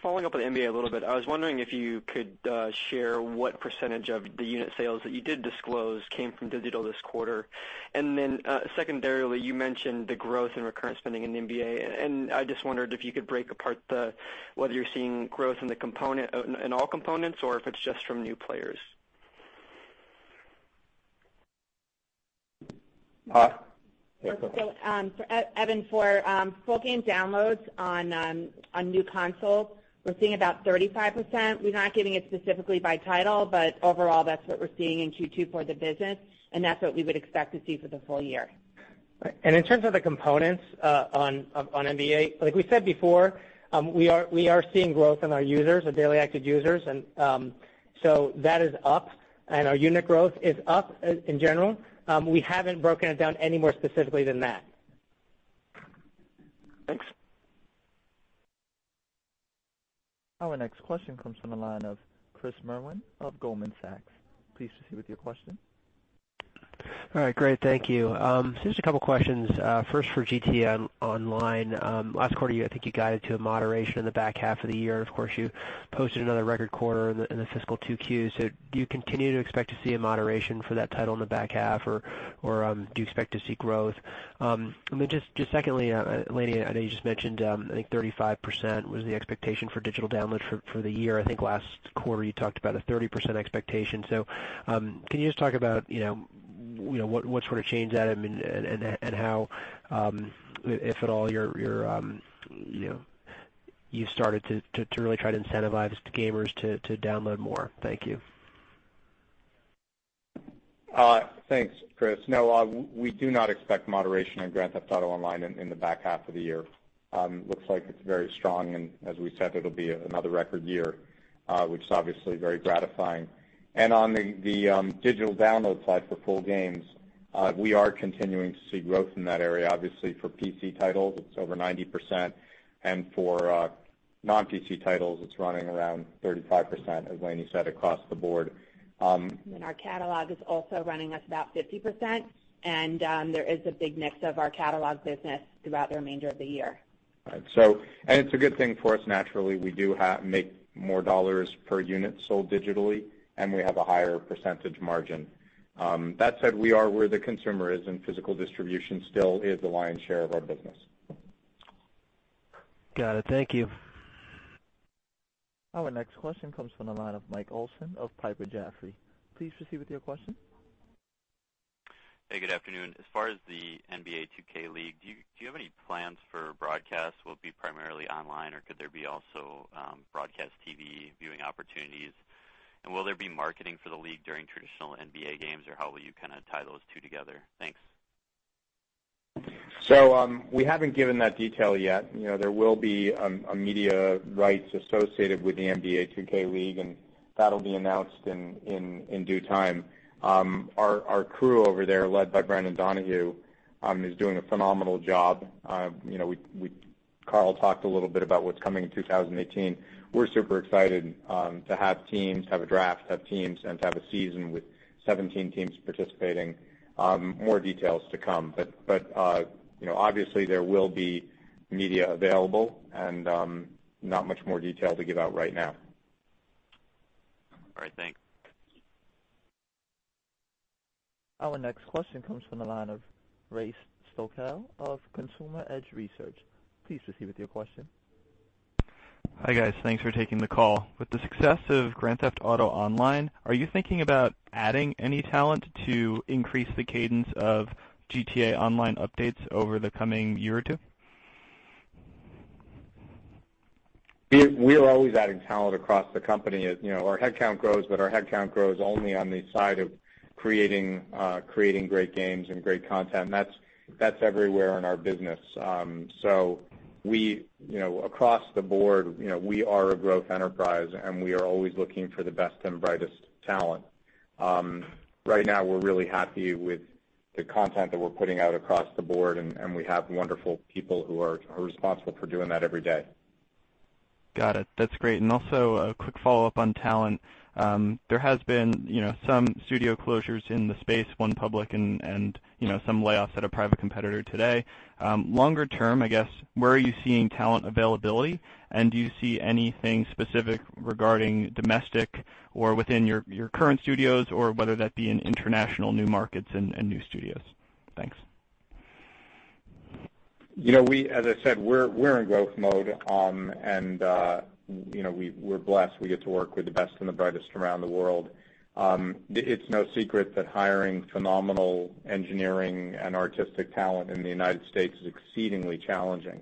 Speaker 10: Following up on NBA a little bit, I was wondering if you could share what % of the unit sales that you did disclose came from digital this quarter. Secondarily, you mentioned the growth in recurrent spending in NBA, I just wondered if you could break apart whether you're seeing growth in all components or if it's just from new players.
Speaker 4: Karl.
Speaker 6: Evan, for full game downloads on new consoles, we're seeing about 35%. We're not getting it specifically by title, overall, that's what we're seeing in Q2 for the business, that's what we would expect to see for the full year.
Speaker 4: In terms of the components on NBA, like we said before, we are seeing growth in our users, our daily active users. That is up, our unit growth is up in general. We haven't broken it down any more specifically than that.
Speaker 10: Thanks.
Speaker 2: Our next question comes from the line of Christopher Merwin of Goldman Sachs. Please proceed with your question.
Speaker 11: All right, great. Thank you. Just a couple of questions. First for GTA Online. Last quarter year, I think you guided to a moderation in the back half of the year. Of course, you posted another record quarter in the fiscal 2Q. Do you continue to expect to see a moderation for that title in the back half, or do you expect to see growth? Secondly, Lainie, I know you just mentioned, I think 35% was the expectation for digital download for the year. I think last quarter you talked about a 30% expectation. Can you just talk about what sort of change that and how, if at all, you started to really try to incentivize gamers to download more? Thank you.
Speaker 4: Thanks, Chris. No, we do not expect moderation in Grand Theft Auto Online in the back half of the year. Looks like it's very strong, and as we said, it'll be another record year, which is obviously very gratifying. On the digital download side for full games, we are continuing to see growth in that area. Obviously, for PC titles, it's over 90%, and for non-PC titles, it's running around 35%, as Lainie said, across the board.
Speaker 6: Our catalog is also running us about 50%, and there is a big mix of our catalog business throughout the remainder of the year.
Speaker 4: Right. It's a good thing for us naturally. We do make more dollars per unit sold digitally, and we have a higher percentage margin. That said, we are where the consumer is, and physical distribution still is the lion's share of our business.
Speaker 11: Got it. Thank you.
Speaker 2: Our next question comes from the line of Mike Olson of Piper Jaffray. Please proceed with your question.
Speaker 12: Hey, good afternoon. As far as the NBA 2K League, do you have any plans for broadcasts will be primarily online, or could there be also broadcast TV viewing opportunities? Will there be marketing for the league during traditional NBA games, or how will you kind of tie those two together? Thanks.
Speaker 4: We haven't given that detail yet. There will be media rights associated with the NBA 2K League, and that'll be announced in due time. Our crew over there, led by Brendan Donohue, is doing a phenomenal job. Carl talked a little bit about what's coming in 2018. We're super excited to have teams, have a draft, have teams, and to have a season with 17 teams participating. More details to come. Obviously, there will be media available and not much more detail to give out right now.
Speaker 12: All right. Thanks.
Speaker 2: Our next question comes from the line of Ray Stochel of Consumer Edge Research. Please proceed with your question.
Speaker 13: Hi, guys. Thanks for taking the call. With the success of Grand Theft Auto Online, are you thinking about adding any talent to increase the cadence of GTA Online updates over the coming year or two?
Speaker 4: We are always adding talent across the company. Our headcount grows, but our headcount grows only on the side of creating great games and great content, and that's everywhere in our business. Across the board, we are a growth enterprise, and we are always looking for the best and brightest talent. Right now, we're really happy with the content that we're putting out across the board, and we have wonderful people who are responsible for doing that every day.
Speaker 13: Got it. That's great. Also a quick follow-up on talent. There has been some studio closures in the space, one public and some layoffs at a private competitor today. Longer term, I guess, where are you seeing talent availability, and do you see anything specific regarding domestic or within your current studios or whether that be in international new markets and new studios? Thanks.
Speaker 4: As I said, we're in growth mode. We're blessed. We get to work with the best and the brightest around the world. It's no secret that hiring phenomenal engineering and artistic talent in the U.S. is exceedingly challenging.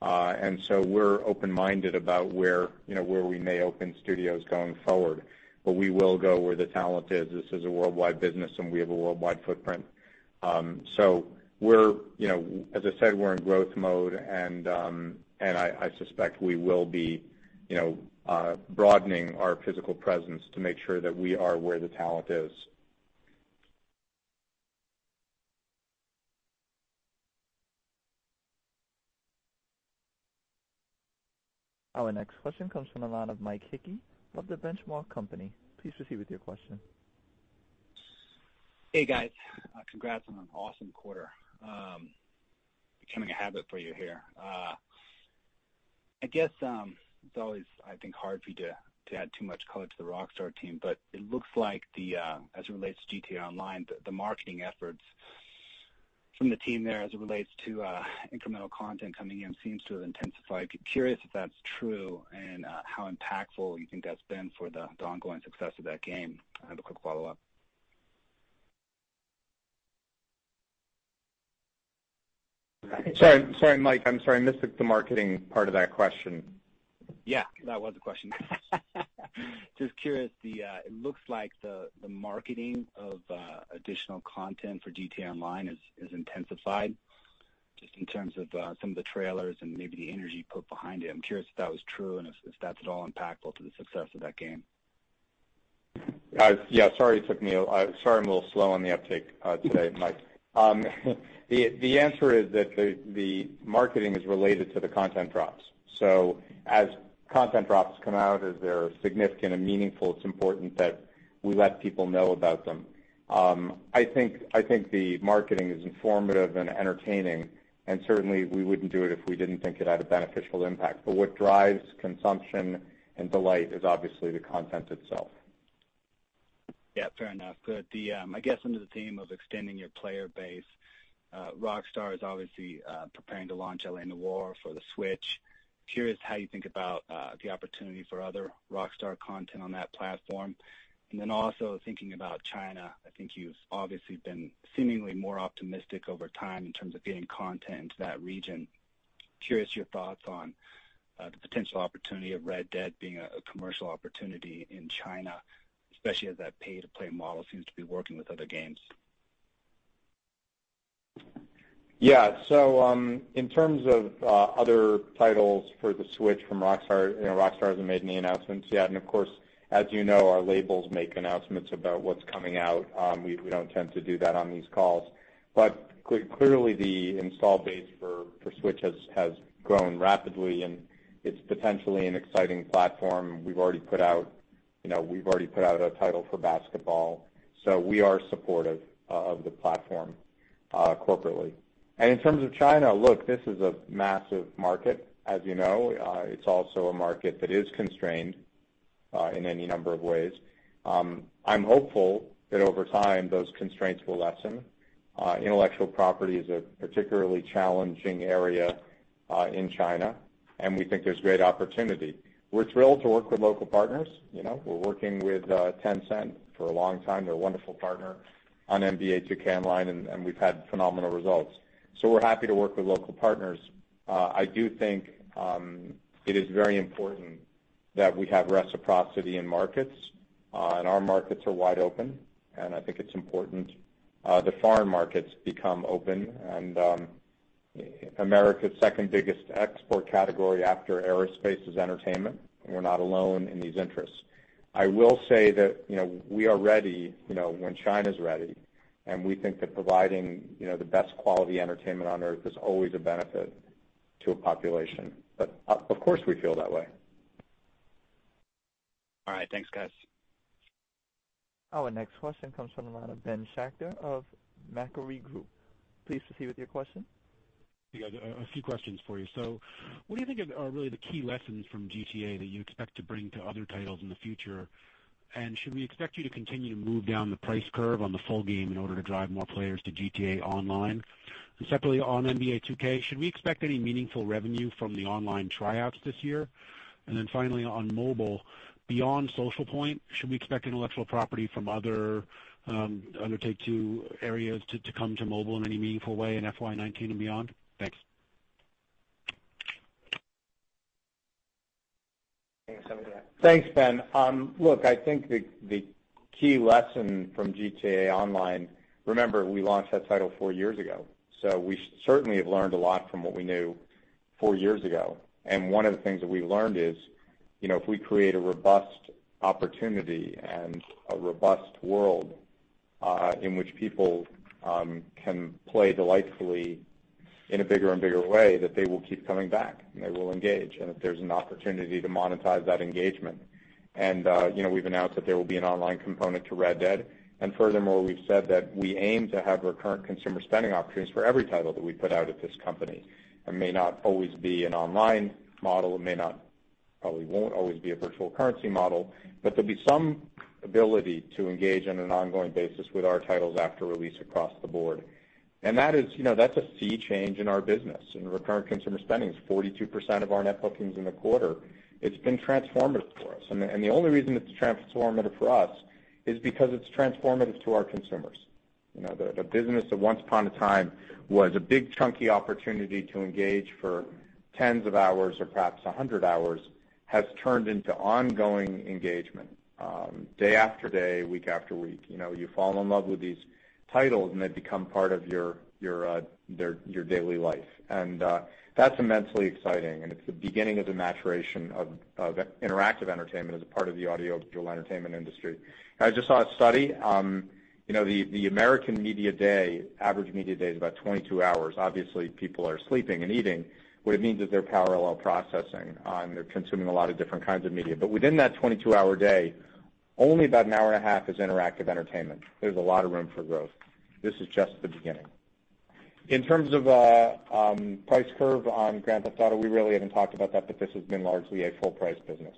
Speaker 4: We're open-minded about where we may open studios going forward, but we will go where the talent is. This is a worldwide business, and we have a worldwide footprint. As I said, we're in growth mode, and I suspect we will be broadening our physical presence to make sure that we are where the talent is.
Speaker 2: Our next question comes from the line of Mike Hickey of The Benchmark Company. Please proceed with your question.
Speaker 14: Hey, guys. Congrats on an awesome quarter. Becoming a habit for you here. I guess, it's always, I think, hard for you to add too much color to the Rockstar team, but it looks like as it relates to GTA Online, the marketing efforts from the team there as it relates to incremental content coming in seems to have intensified. Curious if that's true and how impactful you think that's been for the ongoing success of that game. I have a quick follow-up.
Speaker 4: Sorry, Mike. I'm sorry. I missed the marketing part of that question.
Speaker 14: Yeah. That was the question. Just curious, it looks like the marketing of additional content for Grand Theft Auto Online has intensified, just in terms of some of the trailers and maybe the energy put behind it. I'm curious if that was true, and if that's at all impactful to the success of that game.
Speaker 4: Yeah. Sorry, I'm a little slow on the uptake today, Mike. The answer is that the marketing is related to the content drops. As content drops come out, if they're significant and meaningful, it's important that we let people know about them. I think the marketing is informative and entertaining, and certainly we wouldn't do it if we didn't think it had a beneficial impact. What drives consumption and delight is obviously the content itself.
Speaker 14: Yeah, fair enough. Good. I guess under the theme of extending your player base, Rockstar Games is obviously preparing to launch L.A. Noire for the Switch. Curious how you think about the opportunity for other Rockstar Games content on that platform. Also thinking about China, I think you've obviously been seemingly more optimistic over time in terms of getting content into that region. Curious your thoughts on the potential opportunity of Red Dead being a commercial opportunity in China, especially as that pay-to-play model seems to be working with other games.
Speaker 4: Yeah. In terms of other titles for the Switch from Rockstar hasn't made any announcements yet. Of course, as you know, our labels make announcements about what's coming out. We don't tend to do that on these calls. Clearly the install base for Switch has grown rapidly, and it's potentially an exciting platform. We've already put out a title for basketball. We are supportive of the platform corporately. In terms of China, look, this is a massive market, as you know. It's also a market that is constrained in any number of ways. I'm hopeful that over time, those constraints will lessen. Intellectual property is a particularly challenging area in China, and we think there's great opportunity. We're thrilled to work with local partners. We're working with Tencent for a long time. They're a wonderful partner on NBA 2K Online, and we've had phenomenal results. We're happy to work with local partners. I do think it is very important that we have reciprocity in markets, and our markets are wide open, and I think it's important the foreign markets become open. America's second biggest export category after aerospace is entertainment. We're not alone in these interests. I will say that we are ready when China's ready, and we think that providing the best quality entertainment on Earth is always a benefit to a population. Of course, we feel that way.
Speaker 14: All right. Thanks, guys.
Speaker 2: Our next question comes from the line of Benjamin Schachter of Macquarie. Please proceed with your question.
Speaker 15: Yeah. A few questions for you. What do you think are really the key lessons from GTA that you expect to bring to other titles in the future? Should we expect you to continue to move down the price curve on the full game in order to drive more players to Grand Theft Auto Online? Separately, on NBA 2K, should we expect any meaningful revenue from the online tryouts this year? Finally, on mobile, beyond Social Point, should we expect intellectual property from other Take-Two areas to come to mobile in any meaningful way in FY 2019 and beyond? Thanks.
Speaker 4: Thanks, Ben. I think the key lesson from Grand Theft Auto Online, remember we launched that title four years ago. We certainly have learned a lot from what we knew four years ago. One of the things that we've learned is, if we create a robust opportunity and a robust world in which people can play delightfully in a bigger and bigger way, that they will keep coming back, and they will engage, and if there's an opportunity to monetize that engagement. We've announced that there will be an online component to Red Dead. Furthermore, we've said that we aim to have recurrent consumer spending opportunities for every title that we put out at this company. It may not always be an online model. It probably won't always be a virtual currency model, but there'll be some ability to engage on an ongoing basis with our titles after release across the board. That's a sea change in our business, recurring consumer spending is 42% of our net bookings in the quarter. It's been transformative for us. The only reason it's transformative for us is because it's transformative to our consumers. The business that once upon a time was a big chunky opportunity to engage for tens of hours or perhaps 100 hours has turned into ongoing engagement day after day, week after week. You fall in love with these titles, and they become part of your daily life. That's immensely exciting, and it's the beginning of the maturation of interactive entertainment as a part of the audiovisual entertainment industry. I just saw a study. The American media day, average media day is about 22 hours. Obviously, people are sleeping and eating. What it means is they're parallel processing, they're consuming a lot of different kinds of media. Within that 22-hour day, only about an hour and a half is interactive entertainment. There's a lot of room for growth. This is just the beginning. In terms of price curve on Grand Theft Auto, we really haven't talked about that, but this has been largely a full-price business,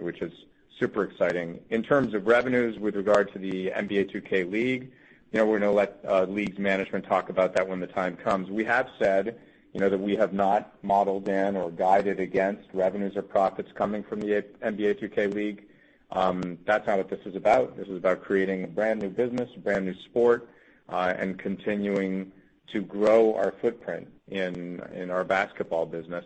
Speaker 4: which is super exciting. In terms of revenues with regard to the NBA 2K League, we're going to let League's management talk about that when the time comes. We have said that we have not modeled in or guided against revenues or profits coming from the NBA 2K League. That's not what this is about. This is about creating a brand-new business, a brand-new sport, and continuing to grow our footprint in our basketball business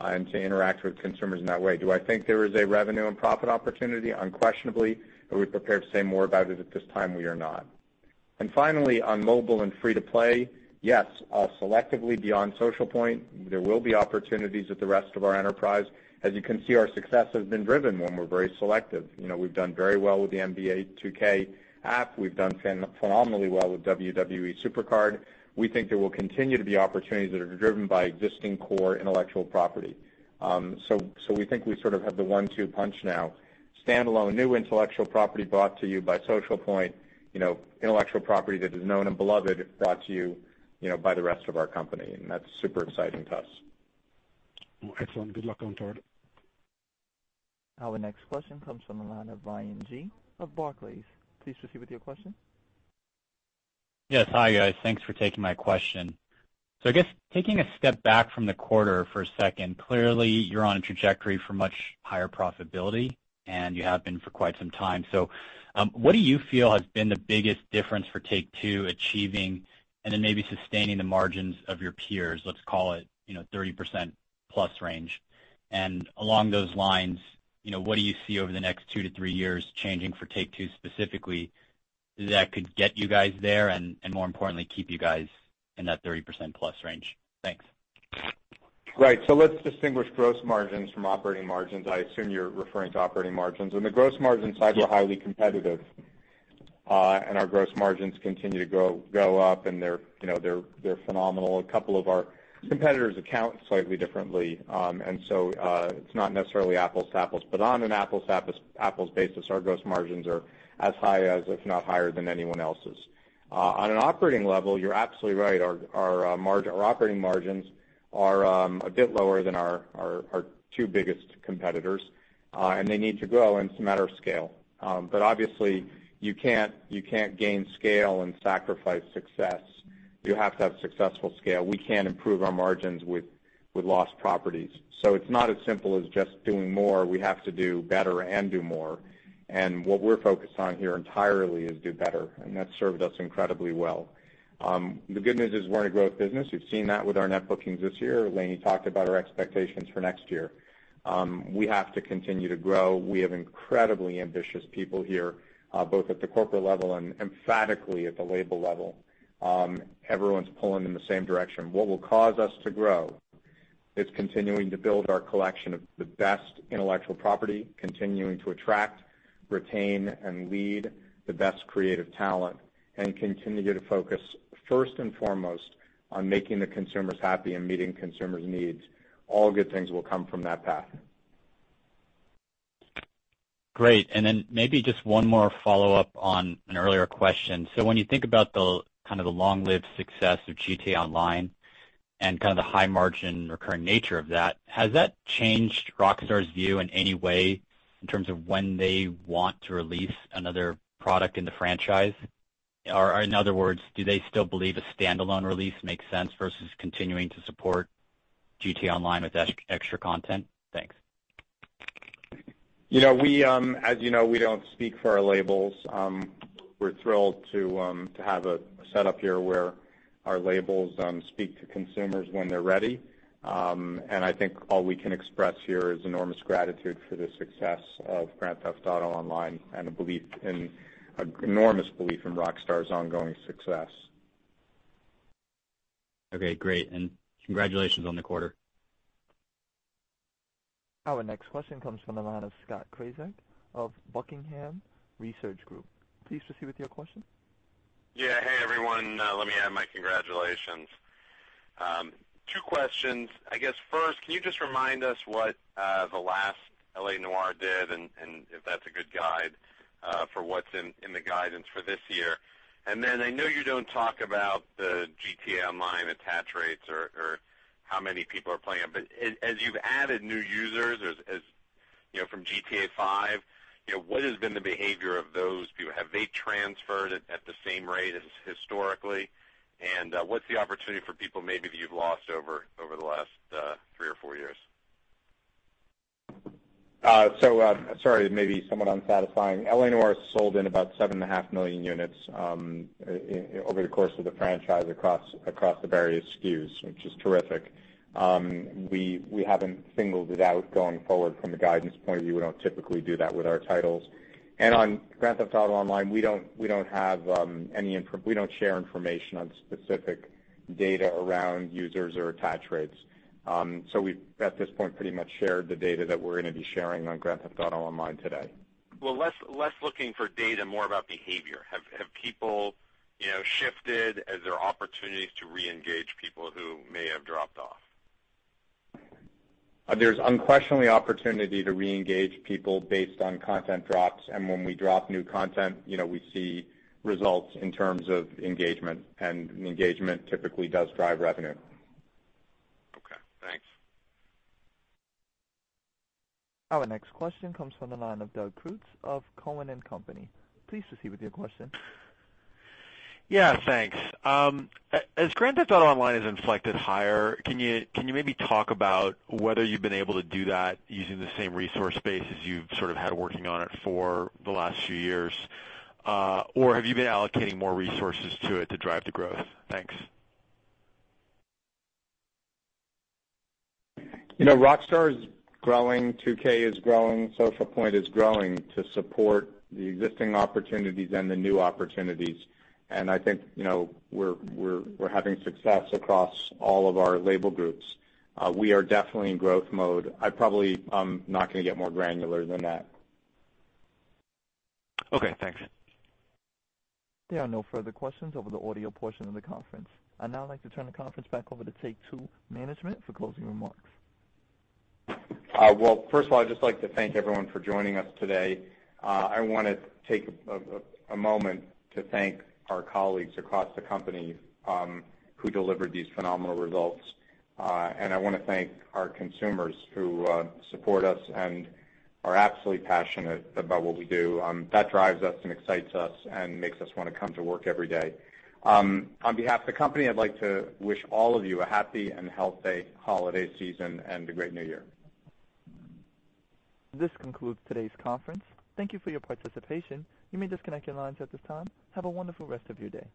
Speaker 4: and to interact with consumers in that way. Do I think there is a revenue and profit opportunity? Unquestionably. Are we prepared to say more about it at this time? We are not. Finally, on mobile and free-to-play, yes, selectively beyond Social Point, there will be opportunities with the rest of our enterprise. As you can see, our success has been driven when we're very selective. We've done very well with the NBA 2K app. We've done phenomenally well with "WWE SuperCard." We think there will continue to be opportunities that are driven by existing core intellectual property. We think we sort of have the one-two punch now. Standalone new intellectual property brought to you by Social Point, intellectual property that is known and beloved, brought to you by the rest of our company, that's super exciting to us.
Speaker 15: Well, excellent. Good luck going forward.
Speaker 2: Our next question comes from the line of Ryan Gee of Barclays. Please proceed with your question.
Speaker 16: Yes. Hi, guys. Thanks for taking my question. I guess taking a step back from the quarter for a second, clearly you're on a trajectory for much higher profitability, and you have been for quite some time. What do you feel has been the biggest difference for Take-Two achieving and then maybe sustaining the margins of your peers, let's call it, 30% plus range? Along those lines, what do you see over the next two to three years changing for Take-Two specifically that could get you guys there and more importantly, keep you guys in that 30% plus range? Thanks.
Speaker 4: Right. Let's distinguish gross margins from operating margins. I assume you're referring to operating margins. On the gross margin side, we're highly competitive, and our gross margins continue to go up, and they're phenomenal. A couple of our competitors account slightly differently. It's not necessarily apples to apples. On an apples-to-apples basis, our gross margins are as high as, if not higher than anyone else's. On an operating level, you're absolutely right. Our operating margins are a bit lower than our two biggest competitors, and they need to grow, and it's a matter of scale. Obviously, you can't gain scale and sacrifice success. You have to have successful scale. We can't improve our margins with lost properties. It's not as simple as just doing more. We have to do better and do more. What we're focused on here entirely is do better, and that's served us incredibly well. The good news is we're in a growth business. We've seen that with our net bookings this year. Lainie talked about our expectations for next year. We have to continue to grow. We have incredibly ambitious people here, both at the corporate level and emphatically at the label level. Everyone's pulling in the same direction. What will cause us to grow is continuing to build our collection of the best intellectual property, continuing to attract, retain, and lead the best creative talent, and continue to focus first and foremost on making the consumers happy and meeting consumers' needs. All good things will come from that path.
Speaker 16: Great. Maybe just one more follow-up on an earlier question. When you think about the kind of the long-lived success of GTA Online and kind of the high margin recurring nature of that, has that changed Rockstar's view in any way in terms of when they want to release another product in the franchise? In other words, do they still believe a standalone release makes sense versus continuing to support GTA Online with extra content? Thanks.
Speaker 4: As you know, we don't speak for our labels. We're thrilled to have a setup here where our labels speak to consumers when they're ready. I think all we can express here is enormous gratitude for the success of Grand Theft Auto Online and an enormous belief in Rockstar's ongoing success.
Speaker 16: Okay, great. Congratulations on the quarter.
Speaker 2: Our next question comes from the line of Scott Krazek of Buckingham Research Group. Please proceed with your question.
Speaker 17: Yeah. Hey, everyone. Let me add my congratulations. Two questions. I guess first, can you just remind us what the L.A. Noire did, and if that's a good guide for what's in the guidance for this year. Then I know you don't talk about the GTA Online attach rates or how many people are playing, but as you've added new users from GTA V, what has been the behavior of those people? Have they transferred at the same rate as historically? What's the opportunity for people maybe that you've lost over the last three or four years?
Speaker 4: Sorry, maybe somewhat unsatisfying. L.A. Noire sold in about seven and a half million units over the course of the franchise across the various SKUs, which is terrific. We haven't singled it out going forward from a guidance point of view. We don't typically do that with our titles. On Grand Theft Auto Online, we don't share information on specific data around users or attach rates. We've, at this point, pretty much shared the data that we're going to be sharing on Grand Theft Auto Online today.
Speaker 17: Less looking for data, more about behavior. Have people shifted? Is there opportunities to reengage people who may have dropped off?
Speaker 4: There's unquestionably opportunity to reengage people based on content drops. When we drop new content, we see results in terms of engagement, and engagement typically does drive revenue.
Speaker 17: Okay, thanks.
Speaker 2: Our next question comes from the line of Doug Creutz of Cowen and Company. Please proceed with your question.
Speaker 18: Yeah, thanks. As Grand Theft Auto Online has inflected higher, can you maybe talk about whether you've been able to do that using the same resource base as you've sort of had working on it for the last few years? Have you been allocating more resources to it to drive the growth? Thanks.
Speaker 4: Rockstar is growing, 2K is growing, Social Point is growing to support the existing opportunities and the new opportunities. I think we're having success across all of our label groups. We are definitely in growth mode. I probably am not going to get more granular than that.
Speaker 18: Okay, thanks.
Speaker 2: There are no further questions over the audio portion of the conference. I'd now like to turn the conference back over to Take-Two management for closing remarks.
Speaker 4: Well, first of all, I'd just like to thank everyone for joining us today. I want to take a moment to thank our colleagues across the company who delivered these phenomenal results. I want to thank our consumers who support us and are absolutely passionate about what we do. That drives us and excites us and makes us want to come to work every day. On behalf of the company, I'd like to wish all of you a happy and healthy holiday season and a great new year.
Speaker 2: This concludes today's conference. Thank you for your participation. You may disconnect your lines at this time. Have a wonderful rest of your day.